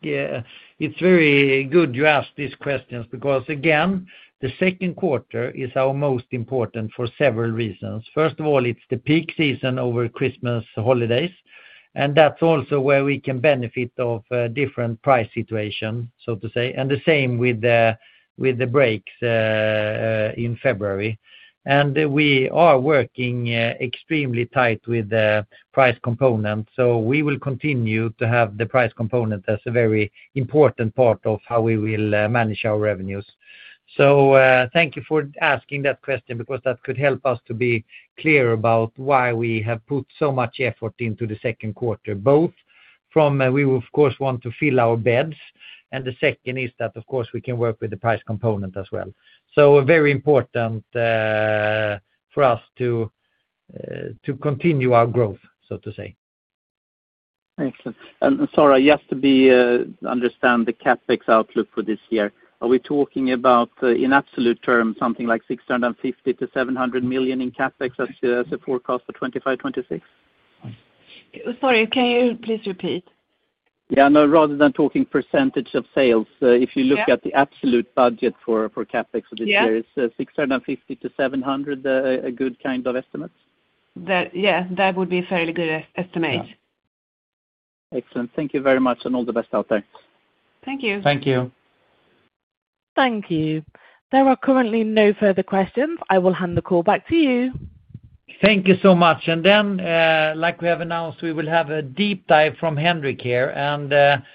Speaker 2: it's very good you asked these questions because, again, the second quarter is our most important for several reasons. First of all, it's the peak season over Christmas holidays. That's also where we can benefit of different price situations, so to say. The same with the breaks in February. We are working extremely tight with the price component. We will continue to have the price component as a very important part of how we will manage our revenues. Thank you for asking that question because that could help us to be clear about why we have put so much effort into the second quarter. We, of course, want to fill our beds. The second is that we can work with the price component as well. Very important for us to continue our growth, so to say.
Speaker 7: Excellent. Sorry, just to understand the CapEx outlook for this year, are we talking about, in absolute terms, something like 650 million-700 million in CapEx as a forecast for 2025/2026?
Speaker 2: Sorry, can you please repeat?
Speaker 7: Yeah, rather than talking % of sales, if you look at the absolute budget for CapEx for this year, is 650 million-700 million a good kind of estimate?
Speaker 3: Yeah, that would be a fairly good estimate.
Speaker 7: Excellent. Thank you very much, and all the best out there.
Speaker 3: Thank you.
Speaker 2: Thank you.
Speaker 1: Thank you. There are currently no further questions. I will hand the call back to you.
Speaker 2: Thank you so much. Like we have announced, we will have a deep dive from Henrik here. Time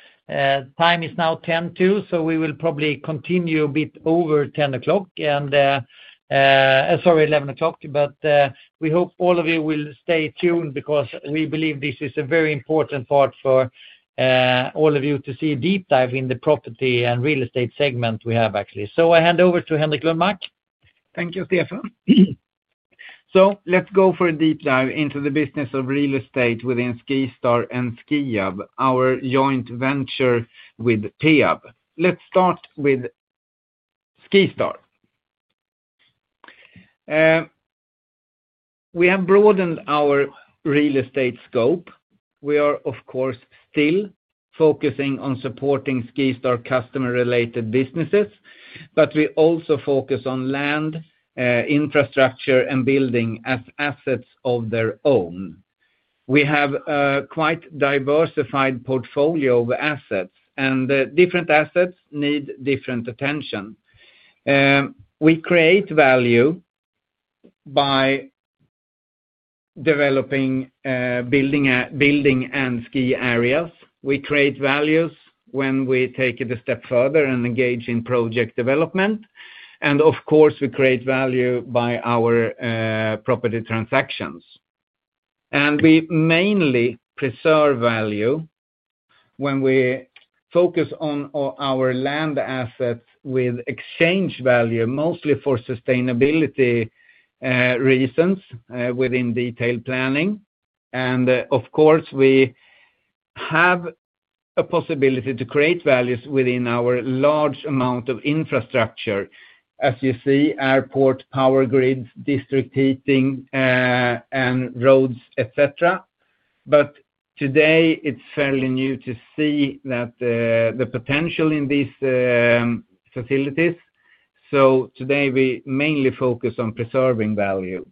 Speaker 2: is now 10:00 too, so we will probably continue a bit over 11:00. We hope all of you will stay tuned because we believe this is a very important part for all of you to see a deep dive in the property and real estate segment we have, actually. I hand over to Henrik Lundmark.
Speaker 8: Thank you, Stefan. Let's go for a deep dive into the business of real estate within SkiStar and SkiUp, our joint venture with PEAB. Let's start with SkiStar. We have broadened our real estate scope. We are, of course, still focusing on supporting SkiStar customer-related businesses, but we also focus on land, infrastructure, and building as assets of their own. We have a quite diversified portfolio of assets, and different assets need different attention. We create value by developing building and ski areas. We create values when we take it a step further and engage in project development. We create value by our property transactions. We mainly preserve value when we focus on our land assets with exchange value, mostly for sustainability reasons within detailed planning. We have a possibility to create values within our large amount of infrastructure, as you see, airport, power grid, district heating, and roads, etc. Today, it's fairly new to see the potential in these facilities. Today, we mainly focus on preserving value.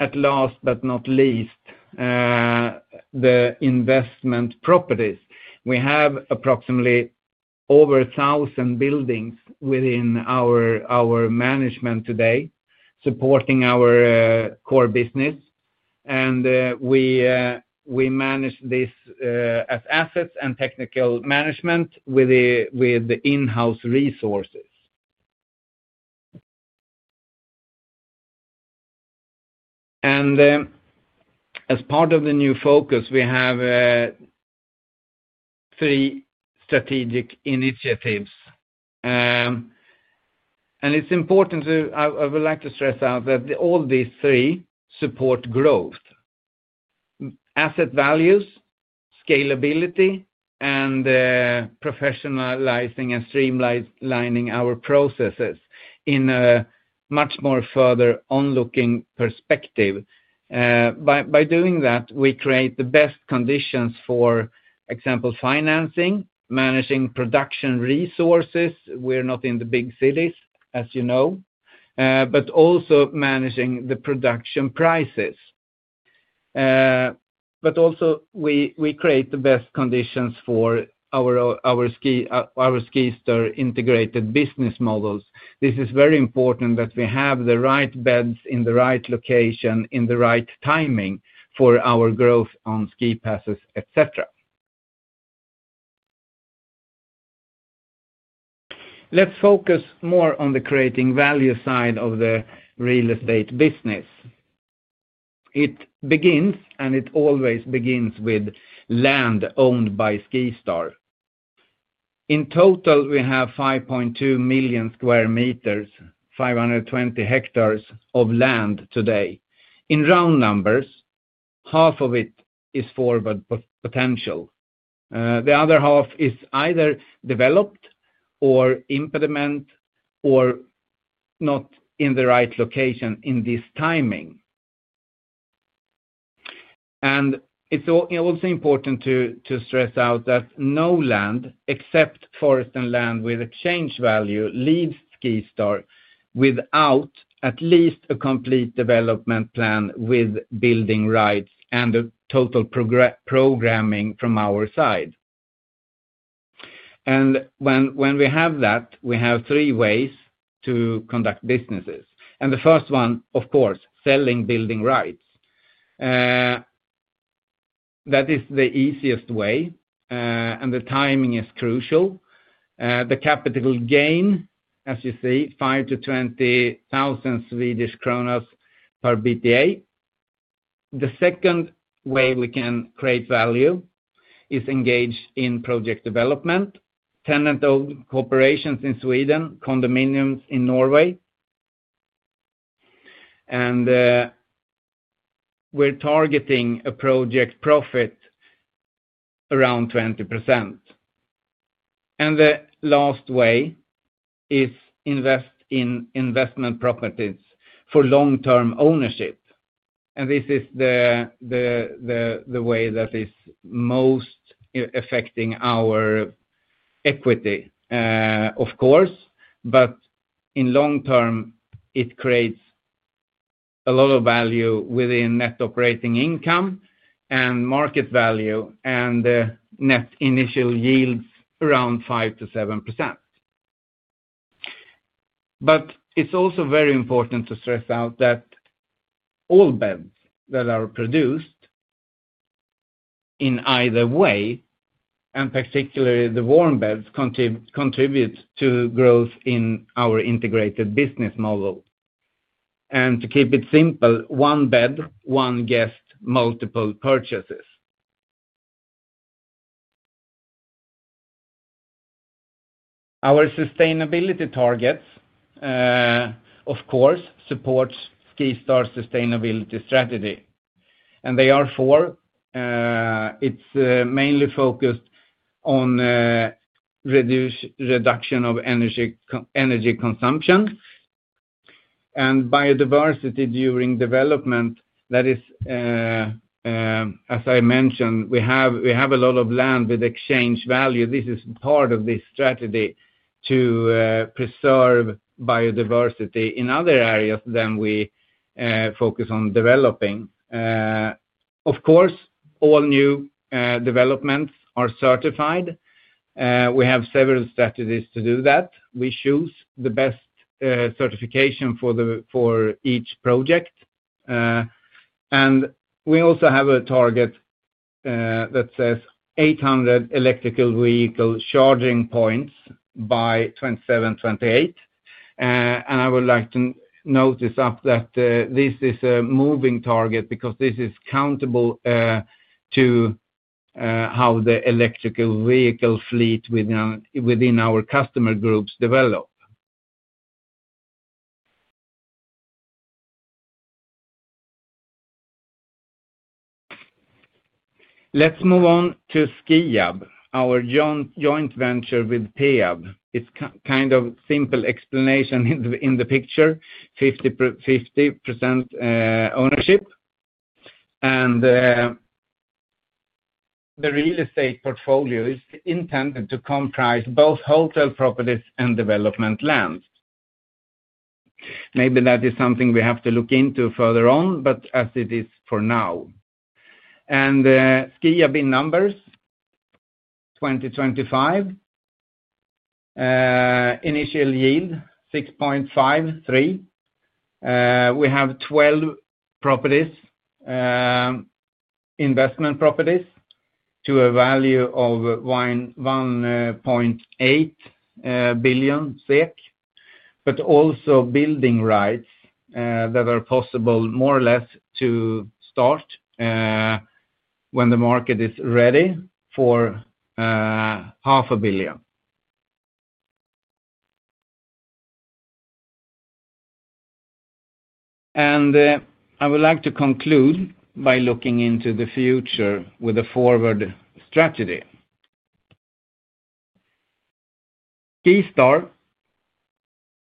Speaker 8: At last but not least, the investment properties. We have approximately over 1,000 buildings within our management today, supporting our core business. We manage this as assets and technical management with in-house resources. As part of the new focus, we have three strategic initiatives. It's important to, I would like to stress out that all these three support growth: asset values, scalability, and professionalizing and streamlining our processes in a much more further onlooking perspective. By doing that, we create the best conditions for, for example, financing, managing production resources. We're not in the big cities, as you know, but also managing the production prices. We create the best conditions for our SkiStar integrated business models. This is very important that we have the right beds in the right location, in the right timing for our growth on ski passes, etc. Let's focus more on the creating value side of the real estate business. It begins, and it always begins with land owned by SkiStar. In total, we have 5.2 million square meters, 520 hectares of land today. In round numbers, half of it is forward potential. The other half is either developed or impediment or not in the right location in this timing. It is also important to stress that no land except forest and land with exchange value leaves SkiStar without at least a complete development plan with building rights and a total programming from our side. When we have that, we have three ways to conduct businesses. The first one, of course, is selling building rights. That is the easiest way, and the timing is crucial. The capital gain, as you see, is 5,000 to 20,000 per BTA. The second way we can create value is engaged in project development, tenant cooperations in Sweden, condominiums in Norway. We are targeting a project profit around 20%. The last way is investment properties for long-term ownership. This is the way that is most affecting our equity, of course. In the long term, it creates a lot of value within net operating income and market value and net initial yields around 5% to 7%. It is also very important to stress that all beds that are produced in either way, and particularly the warm beds, contribute to growth in our integrated business model. To keep it simple, one bed, one guest, multiple purchases. Our sustainability targets, of course, support SkiStar's sustainability strategy. They are four. It is mainly focused on reduction of energy consumption and biodiversity during development. That is, as I mentioned, we have a lot of land with exchange value. This is part of this strategy to preserve biodiversity in other areas than we focus on developing. Of course, all new developments are certified. We have several strategies to do that. We choose the best certification for each project. We also have a target that says 800 electrical vehicle charging points by 2027. I would like to note this up that this is a moving target because this is countable to how the electrical vehicle fleet within our customer groups develop. Let's move on to SkiUp, our joint venture with PEAB. It is kind of a simple explanation in the picture, 50% ownership. The real estate portfolio is intended to comprise both hotel properties and development land. Maybe that is something we have to look into further on, but as it is for now. SkiUp in numbers, 2025 initial yield 6.53%. We have 12 properties, investment properties to a value of 1.8 billion SEK, but also building rights that are possible more or less to start when the market is ready for 0.5 billion. I would like to conclude by looking into the future with a forward strategy. SkiStar,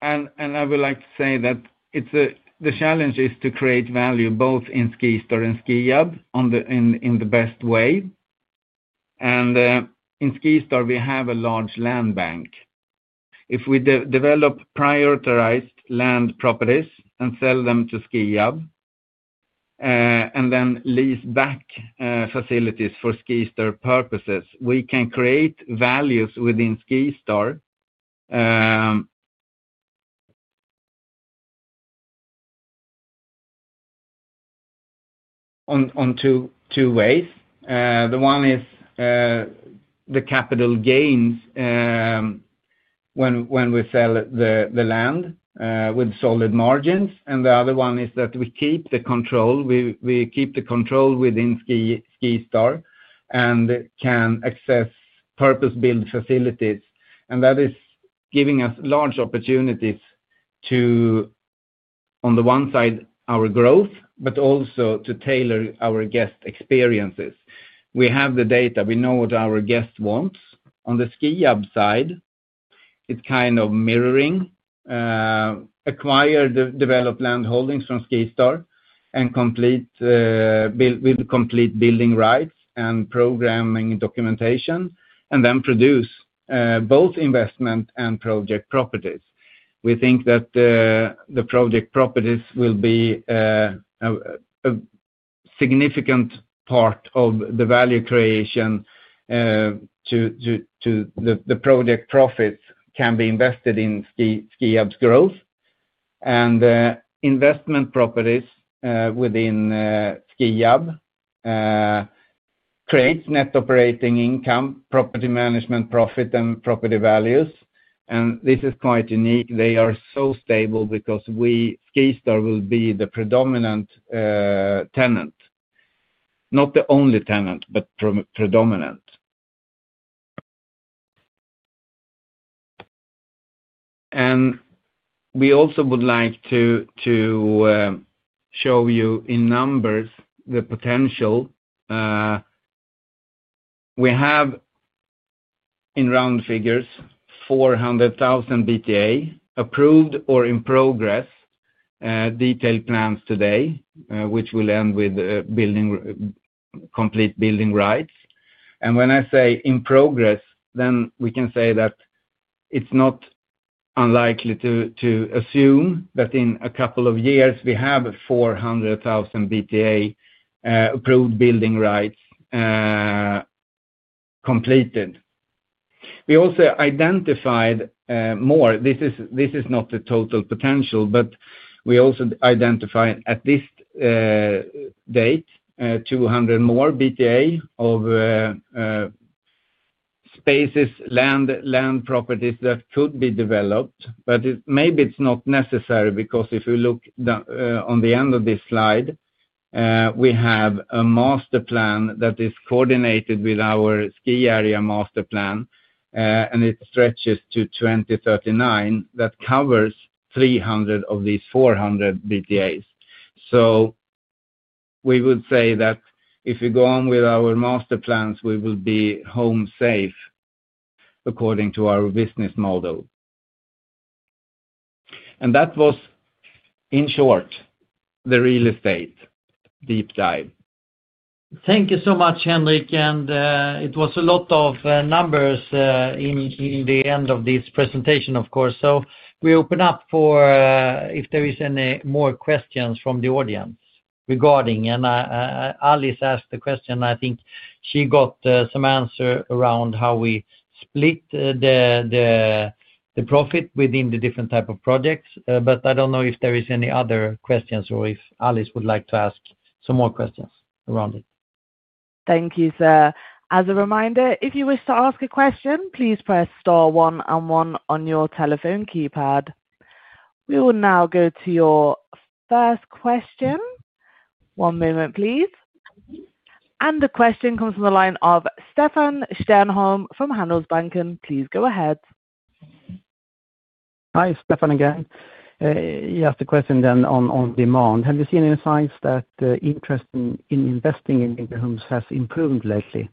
Speaker 8: and I would like to say that the challenge is to create value both in SkiStar and SkiUp in the best way. In SkiStar, we have a large land bank. If we develop prioritized land properties and sell them to SkiUp and then lease back facilities for SkiStar purposes, we can create values within SkiStar in two ways. One is the capital gains when we sell the land with solid margins. The other one is that we keep the control. We keep the control within SkiStar and can access purpose-built facilities. That is giving us large opportunities to, on the one side, our growth, but also to tailor our guest experiences. We have the data. We know what our guests want. On the SkiUp side, it's kind of mirroring acquired developed land holdings from SkiStar and complete with complete building rights and programming and documentation, and then produce both investment and project properties. We think that the project properties will be a significant part of the value creation so the project profits can be invested in SkiUp's growth. Investment properties within SkiUp create net operating income, property management profit, and property values. This is quite unique. They are so stable because SkiStar will be the predominant tenant, not the only tenant, but predominant. We also would like to show you in numbers the potential. We have in round figures 400,000 BTA approved or in progress detailed plans today, which will end with complete building rights. When I say in progress, then we can say that it's not unlikely to assume that in a couple of years we have 400,000 BTA approved building rights completed. We also identified more. This is not the total potential, but we also identified at this date 200,000 more BTA of spaces, land properties that could be developed. Maybe it's not necessary because if we look on the end of this slide, we have a master plan that is coordinated with our ski area master plan, and it stretches to 2039 that covers 300,000 of these 400,000 BTAs. We would say that if we go on with our master plans, we will be home safe according to our business model. That was, in short, the real estate deep dive.
Speaker 2: Thank you so much, Henrik. There were a lot of numbers in the end of this presentation, of course. We open up for if there are any more questions from the audience regarding, and Alice asked the question, I think she got some answer around how we split the profit within the different types of projects. I don't know if there are any other questions or if Alice would like to ask some more questions around it.
Speaker 1: Thank you, sir. As a reminder, if you wish to ask a question, please press star one and one on your telephone keypad. We will now go to your first question. One moment, please. The question comes from the line of Stefan Stjernholm from Handelsbanken. Please go ahead.
Speaker 5: Hi, Stefan again. He asked a question on demand. Have you seen any signs that interest in investing in winter homes has improved lately?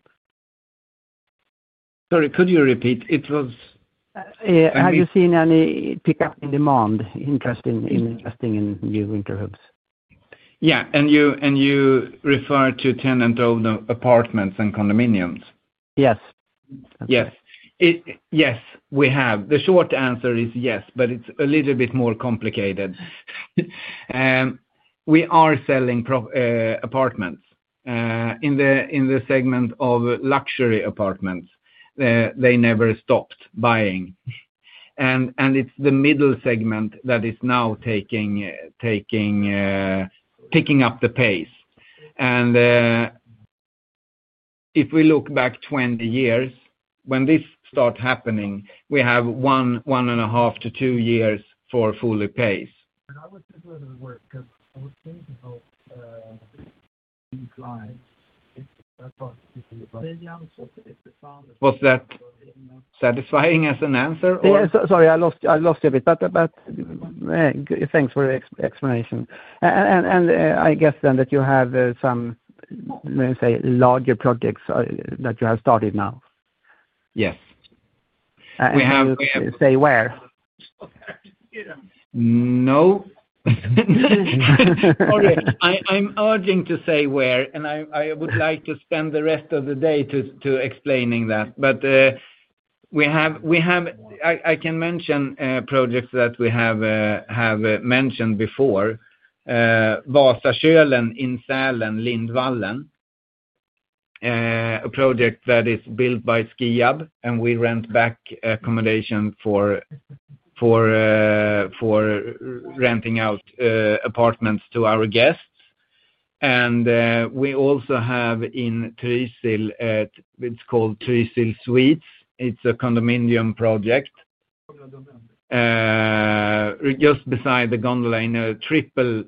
Speaker 8: Sorry, could you repeat? It was.
Speaker 5: Have you seen any pickup in demand, interest in investing in new winter homes?
Speaker 8: Yeah, you refer to tenant-owned apartments and condominiums?
Speaker 5: Yes.
Speaker 8: Yes. Yes, we have. The short answer is yes, but it's a little bit more complicated. We are selling apartments. In the segment of luxury apartments, they never stopped buying. It's the middle segment that is now taking up the pace. If we look back 20 years, when this started happening, we have 1.5, 2 years for fully paid.
Speaker 2: I would still go to work because I would think to help the big clients. Maybe I'm sort of.
Speaker 8: Was that satisfying as an answer?
Speaker 5: Sorry, I lost you a bit. Thanks for the explanation. I guess you have some, let's say, larger projects that you have started now.
Speaker 8: Yes. We have.
Speaker 5: Say where.
Speaker 8: No. All right. I'm urging to say where, and I would like to spend the rest of the day explaining that. We have, I can mention projects that we have mentioned before. Vasakölen in Sälen, Lindvallen. A project that is built by SkiStar AB, and we rent back accommodation for renting out apartments to our guests. We also have in Trysil, it's called Trysil Suites. It's a condominium project just beside the gondola, in a triple,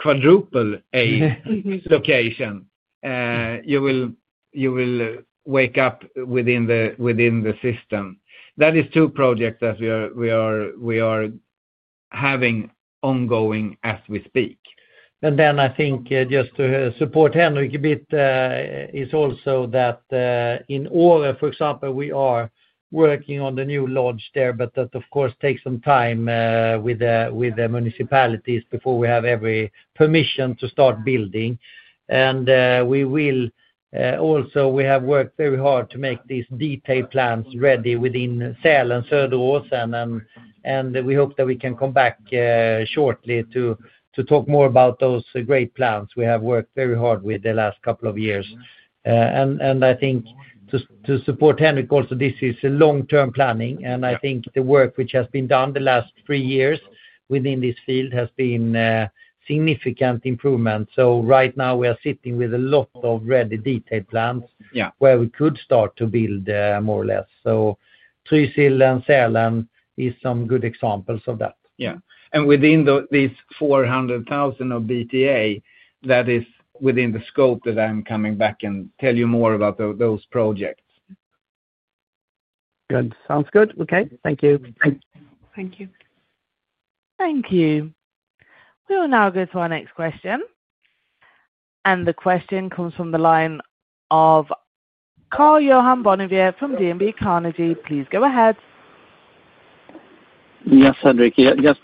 Speaker 8: quadruple A location. You will wake up within the system. That is two projects that we are having ongoing as we speak.
Speaker 2: I think just to support Henrik a bit is also that in Åre, for example, we are working on the new lodge there, but that of course takes some time with the municipalities before we have every permission to start building. We have worked very hard to make these detailed plans ready within Sälen, Söderåsen. We hope that we can come back shortly to talk more about those great plans we have worked very hard with the last couple of years. I think to support Henrik also, this is long-term planning. I think the work which has been done the last three years within this field has been a significant improvement. Right now, we are sitting with a lot of ready detailed plans where we could start to build more or less. Trysil and Sälen are some good examples of that. Within these 400,000 of BTA, that is within the scope that I'm coming back and tell you more about those projects.
Speaker 5: Good. Sounds good. Okay. Thank you.
Speaker 3: Thank you.
Speaker 1: Thank you. We will now go to our next question. The question comes from the line of Carl-Johan Bonnevier from DNB Carnegie. Please go ahead.
Speaker 7: Yes, Henrik. Just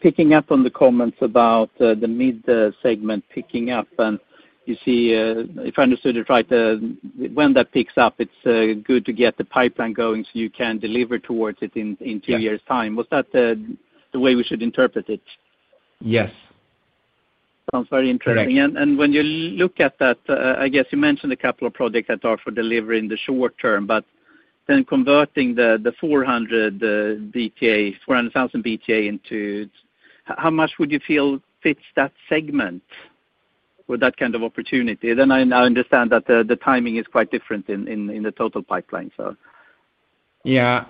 Speaker 7: picking up on the comments about the mid-segment picking up. You see, if I understood it right, when that picks up, it's good to get the pipeline going so you can deliver towards it in two years' time. Was that the way we should interpret it?
Speaker 8: Yes. Sounds very interesting.
Speaker 2: When you look at that, I guess you mentioned a couple of projects that are for delivery in the short term. Converting the 400,000 BTA into, how much would you feel fits that segment with that kind of opportunity? I now understand that the timing is quite different in the total pipeline.
Speaker 8: Yeah.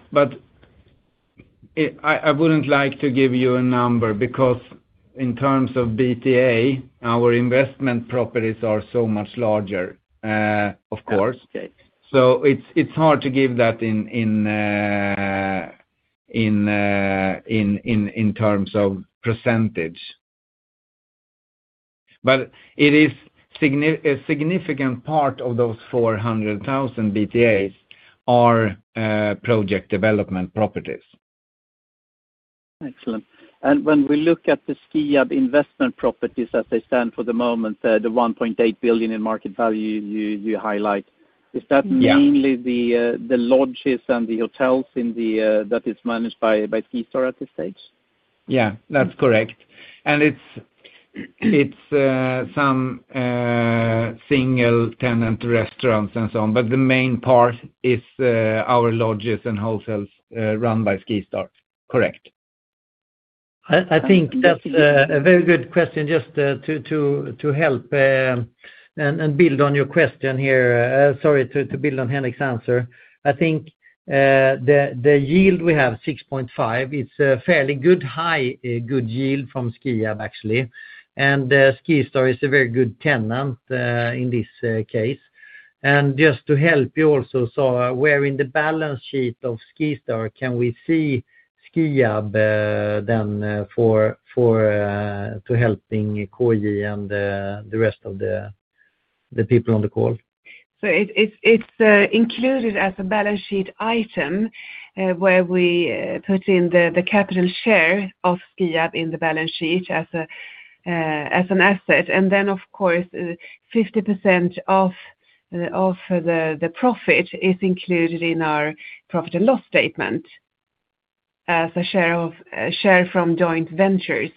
Speaker 8: I wouldn't like to give you a number because in terms of BTA, our investment properties are so much larger, of course. It's hard to give that in terms of %. It is a significant part of those 400,000 BTA are project development properties.
Speaker 7: Excellent. When we look at the SkiStar investment properties that they stand for the moment, the 1.8 billion in market value you highlight, is that mainly the lodges and the hotels that are managed by SkiStar at this stage?
Speaker 8: Yeah, that's correct. It's some single tenant restaurants and so on, but the main part is our lodges and hotels run by SkiStar, correct.
Speaker 2: I think that's a very good question to help and build on your question here. Sorry, to build on Henrik Lundmark's answer. I think the yield we have is 6.5%. It's a fairly good high yield from SkiStar AB, actually. SkiStar is a very good tenant in this case. Just to help you also, where in the balance sheet of SkiStar can we see SkiStar AB then for helping Koji and the rest of the people on the call?
Speaker 3: It's included as a balance sheet item where we put in the capital share of SkiUp in the balance sheet as an asset. Of course, 50% of the profit is included in our profit and loss statement as a share from joint ventures.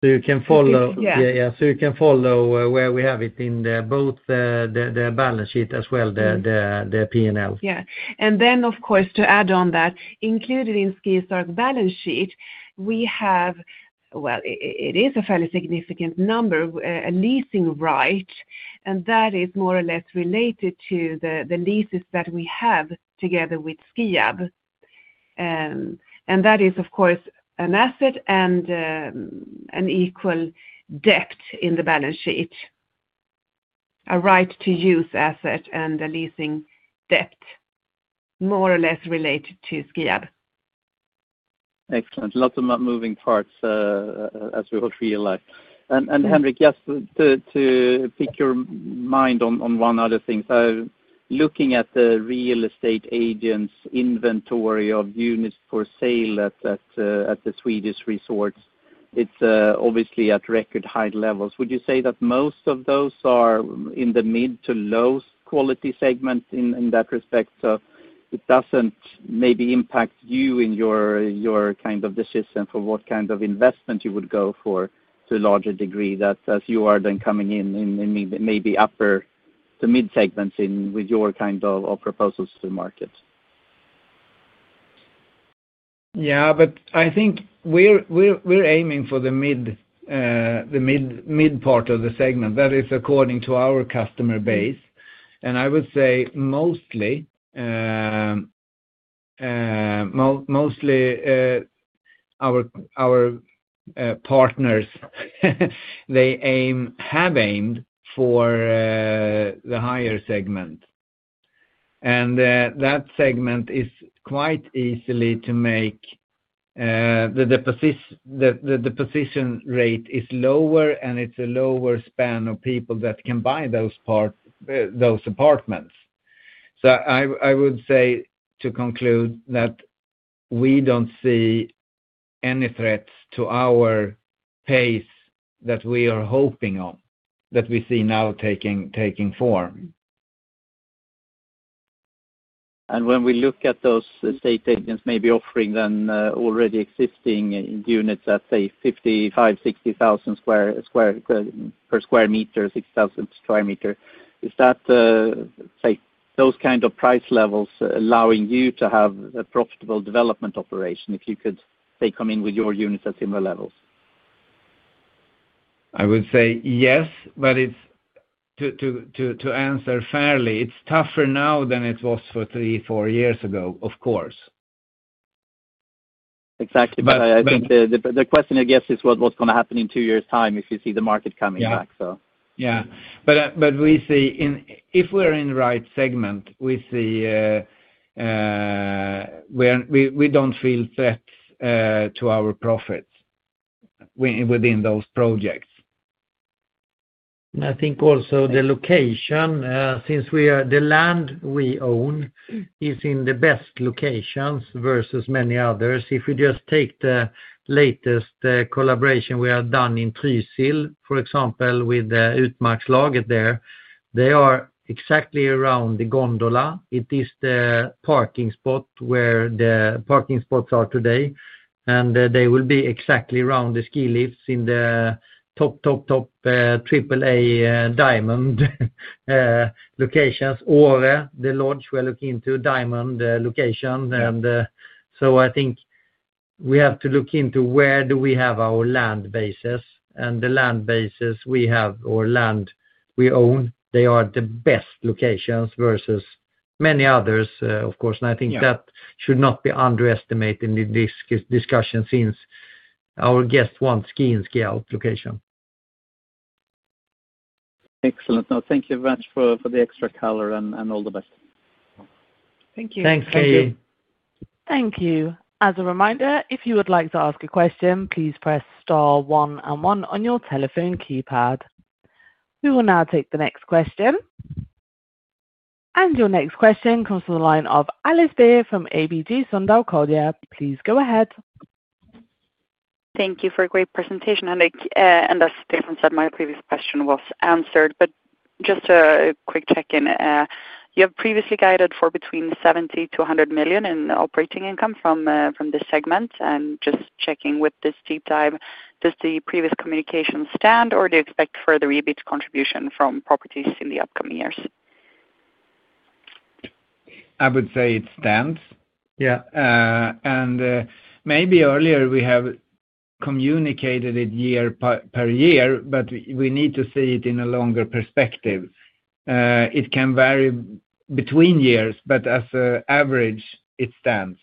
Speaker 2: You can follow.
Speaker 3: Yes.
Speaker 2: You can follow where we have it in both the balance sheet as well as the P&L.
Speaker 3: Yeah. To add on that, included in SkiStar's balance sheet, we have, it is a fairly significant number, a leasing right. That is more or less related to the leases that we have together with SkiAb. That is, of course, an asset and an equal debt in the balance sheet, a right-to-use asset and a leasing debt more or less related to SkiAb.
Speaker 7: Excellent. Lots of moving parts as we would realize. Henrik, just to pick your mind on one other thing. Looking at the real estate agents' inventory of units for sale at the Swedish resorts, it's obviously at record high levels. Would you say that most of those are in the mid to low-quality segment in that respect? It doesn't maybe impact you in your kind of decision for what kind of investment you would go for to a larger degree, as you are then coming in in maybe upper to mid segments with your kind of proposals to the market.
Speaker 8: I think we're aiming for the mid part of the segment. That is according to our customer base. I would say mostly our partners have aimed for the higher segment. That segment is quite easy to make. The deposition rate is lower, and it's a lower span of people that can buy those apartments. I would say to conclude that we don't see any threats to our pace that we are hoping on, that we see now taking form.
Speaker 2: When we look at those estate agents maybe offering then already existing units at, say, 55,000, 60,000 per square meter, is that, say, those kind of price levels allowing you to have a profitable development operation if you could, say, come in with your units at similar levels?
Speaker 8: I would say yes, but to answer fairly, it's tougher now than it was three or four years ago, of course.
Speaker 7: Exactly. I think the question, I guess, is what's going to happen in two years' time if you see the market coming back.
Speaker 8: Yeah, if we're in the right segment, we see we don't feel threats to our profits within those projects.
Speaker 2: I think also the location, since we are the land we own, is in the best locations versus many others. If we just take the latest collaboration we have done in Trysil, for example, with the [utmarkslaget] there, they are exactly around the gondola. It is the parking spot where the parking spots are today. They will be exactly around the ski lifts in the top, top, top AAA diamond locations. Åre, the lodge we are looking into, diamond location. I think we have to look into where do we have our land bases. The land bases we have or land we own, they are the best locations versus many others, of course. I think that should not be underestimated in this discussion since our guests want skiing ski out location.
Speaker 7: Excellent. Now, thank you very much for the extra color and all the best.
Speaker 3: Thank you.
Speaker 2: Thank you.
Speaker 1: Thank you. As a reminder, if you would like to ask a question, please press star one and one on your telephone keypad. We will now take the next question. Your next question comes from the line of Alice Beer from ABG Sundal Collier. Please go ahead.
Speaker 4: Thank you for a great presentation, Henrik. As Stefan said, my previous question was answered. Just a quick check-in. You have previously guided for between 70 million-100 million in operating income from this segment. Just checking with this deep dive, does the previous communication stand or do you expect further EBIT contribution from properties in the upcoming years?
Speaker 8: I would say it stands.
Speaker 2: Maybe earlier, we have communicated it year per year, but we need to see it in a longer perspective. It can vary between years, but as an average, it stands.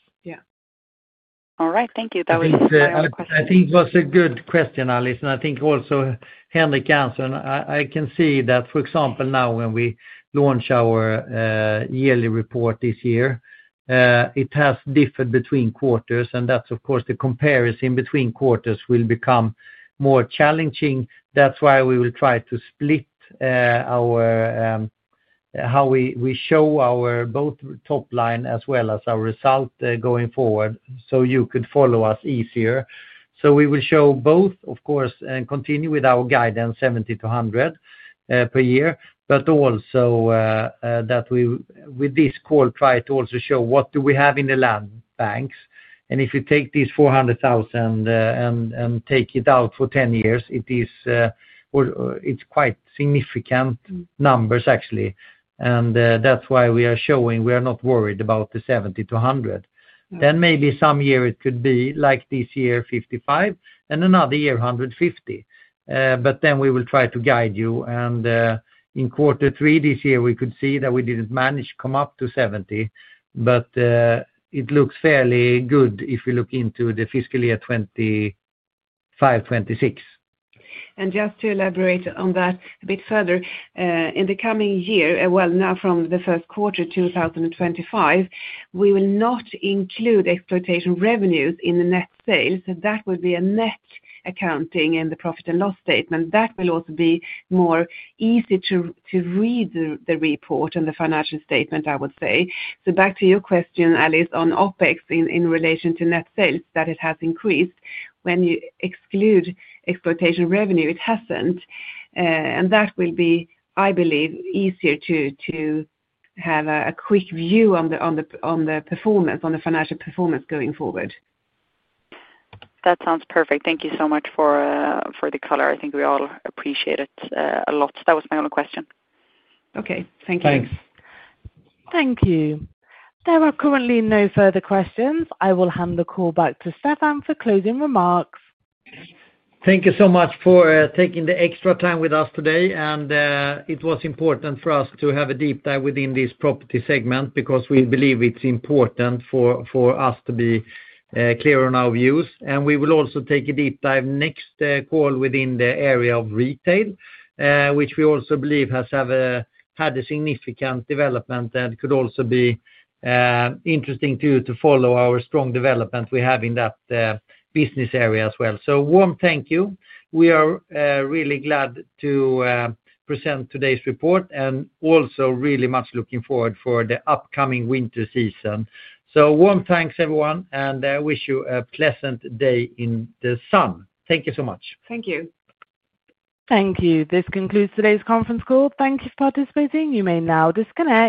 Speaker 4: All right. Thank you. That was.
Speaker 2: I think it was a good question, Alice. I think also Henrik answered. I can see that, for example, now when we launch our yearly report this year, it has differed between quarters. Of course, the comparison between quarters will become more challenging. That is why we will try to split how we show our both top line as well as our result going forward so you could follow us easier. We will show both, of course, and continue with our guidance 70 to 100 per year. Also, with this call, we try to also show what do we have in the land banks. If you take these 400,000 and take it out for 10 years, it's quite significant numbers, actually. That is why we are showing we are not worried about the 70 to 100. Maybe some year it could be like this year, 55, and another year, 150. We will try to guide you. In Q3 this year, we could see that we didn't manage to come up to 70. It looks fairly good if we look into the fiscal year 2025, 2026.
Speaker 3: To elaborate on that a bit further, in the coming year, from the first quarter 2025, we will not include exploitation revenues in the net sales. That will be a net accounting in the profit and loss statement. It will also be easier to read the report and the financial statement, I would say. Back to your question, Alice, on OpEx in relation to net sales, that it has increased. When you exclude exploitation revenue, it hasn't. That will be, I believe, easier to have a quick view on the performance, on the financial performance going forward.
Speaker 4: That sounds perfect. Thank you so much for the color. I think we all appreciate it a lot. That was my only question.
Speaker 3: Okay, thank you.
Speaker 2: Thanks.
Speaker 1: Thank you. There are currently no further questions. I will hand the call back to Stefan for closing remarks.
Speaker 2: Thank you so much for taking the extra time with us today. It was important for us to have a deep dive within this property segment because we believe it's important for us to be clear on our views. We will also take a deep dive next call within the area of retail, which we also believe has had a significant development and could also be interesting to you to follow our strong development we have in that business area as well. Warm thank you. We are really glad to present today's report and also really much looking forward for the upcoming winter season. Warm thanks, everyone. I wish you a pleasant day in the sun. Thank you so much.
Speaker 3: Thank you.
Speaker 1: Thank you. This concludes today's conference call. Thank you for participating. You may now disconnect.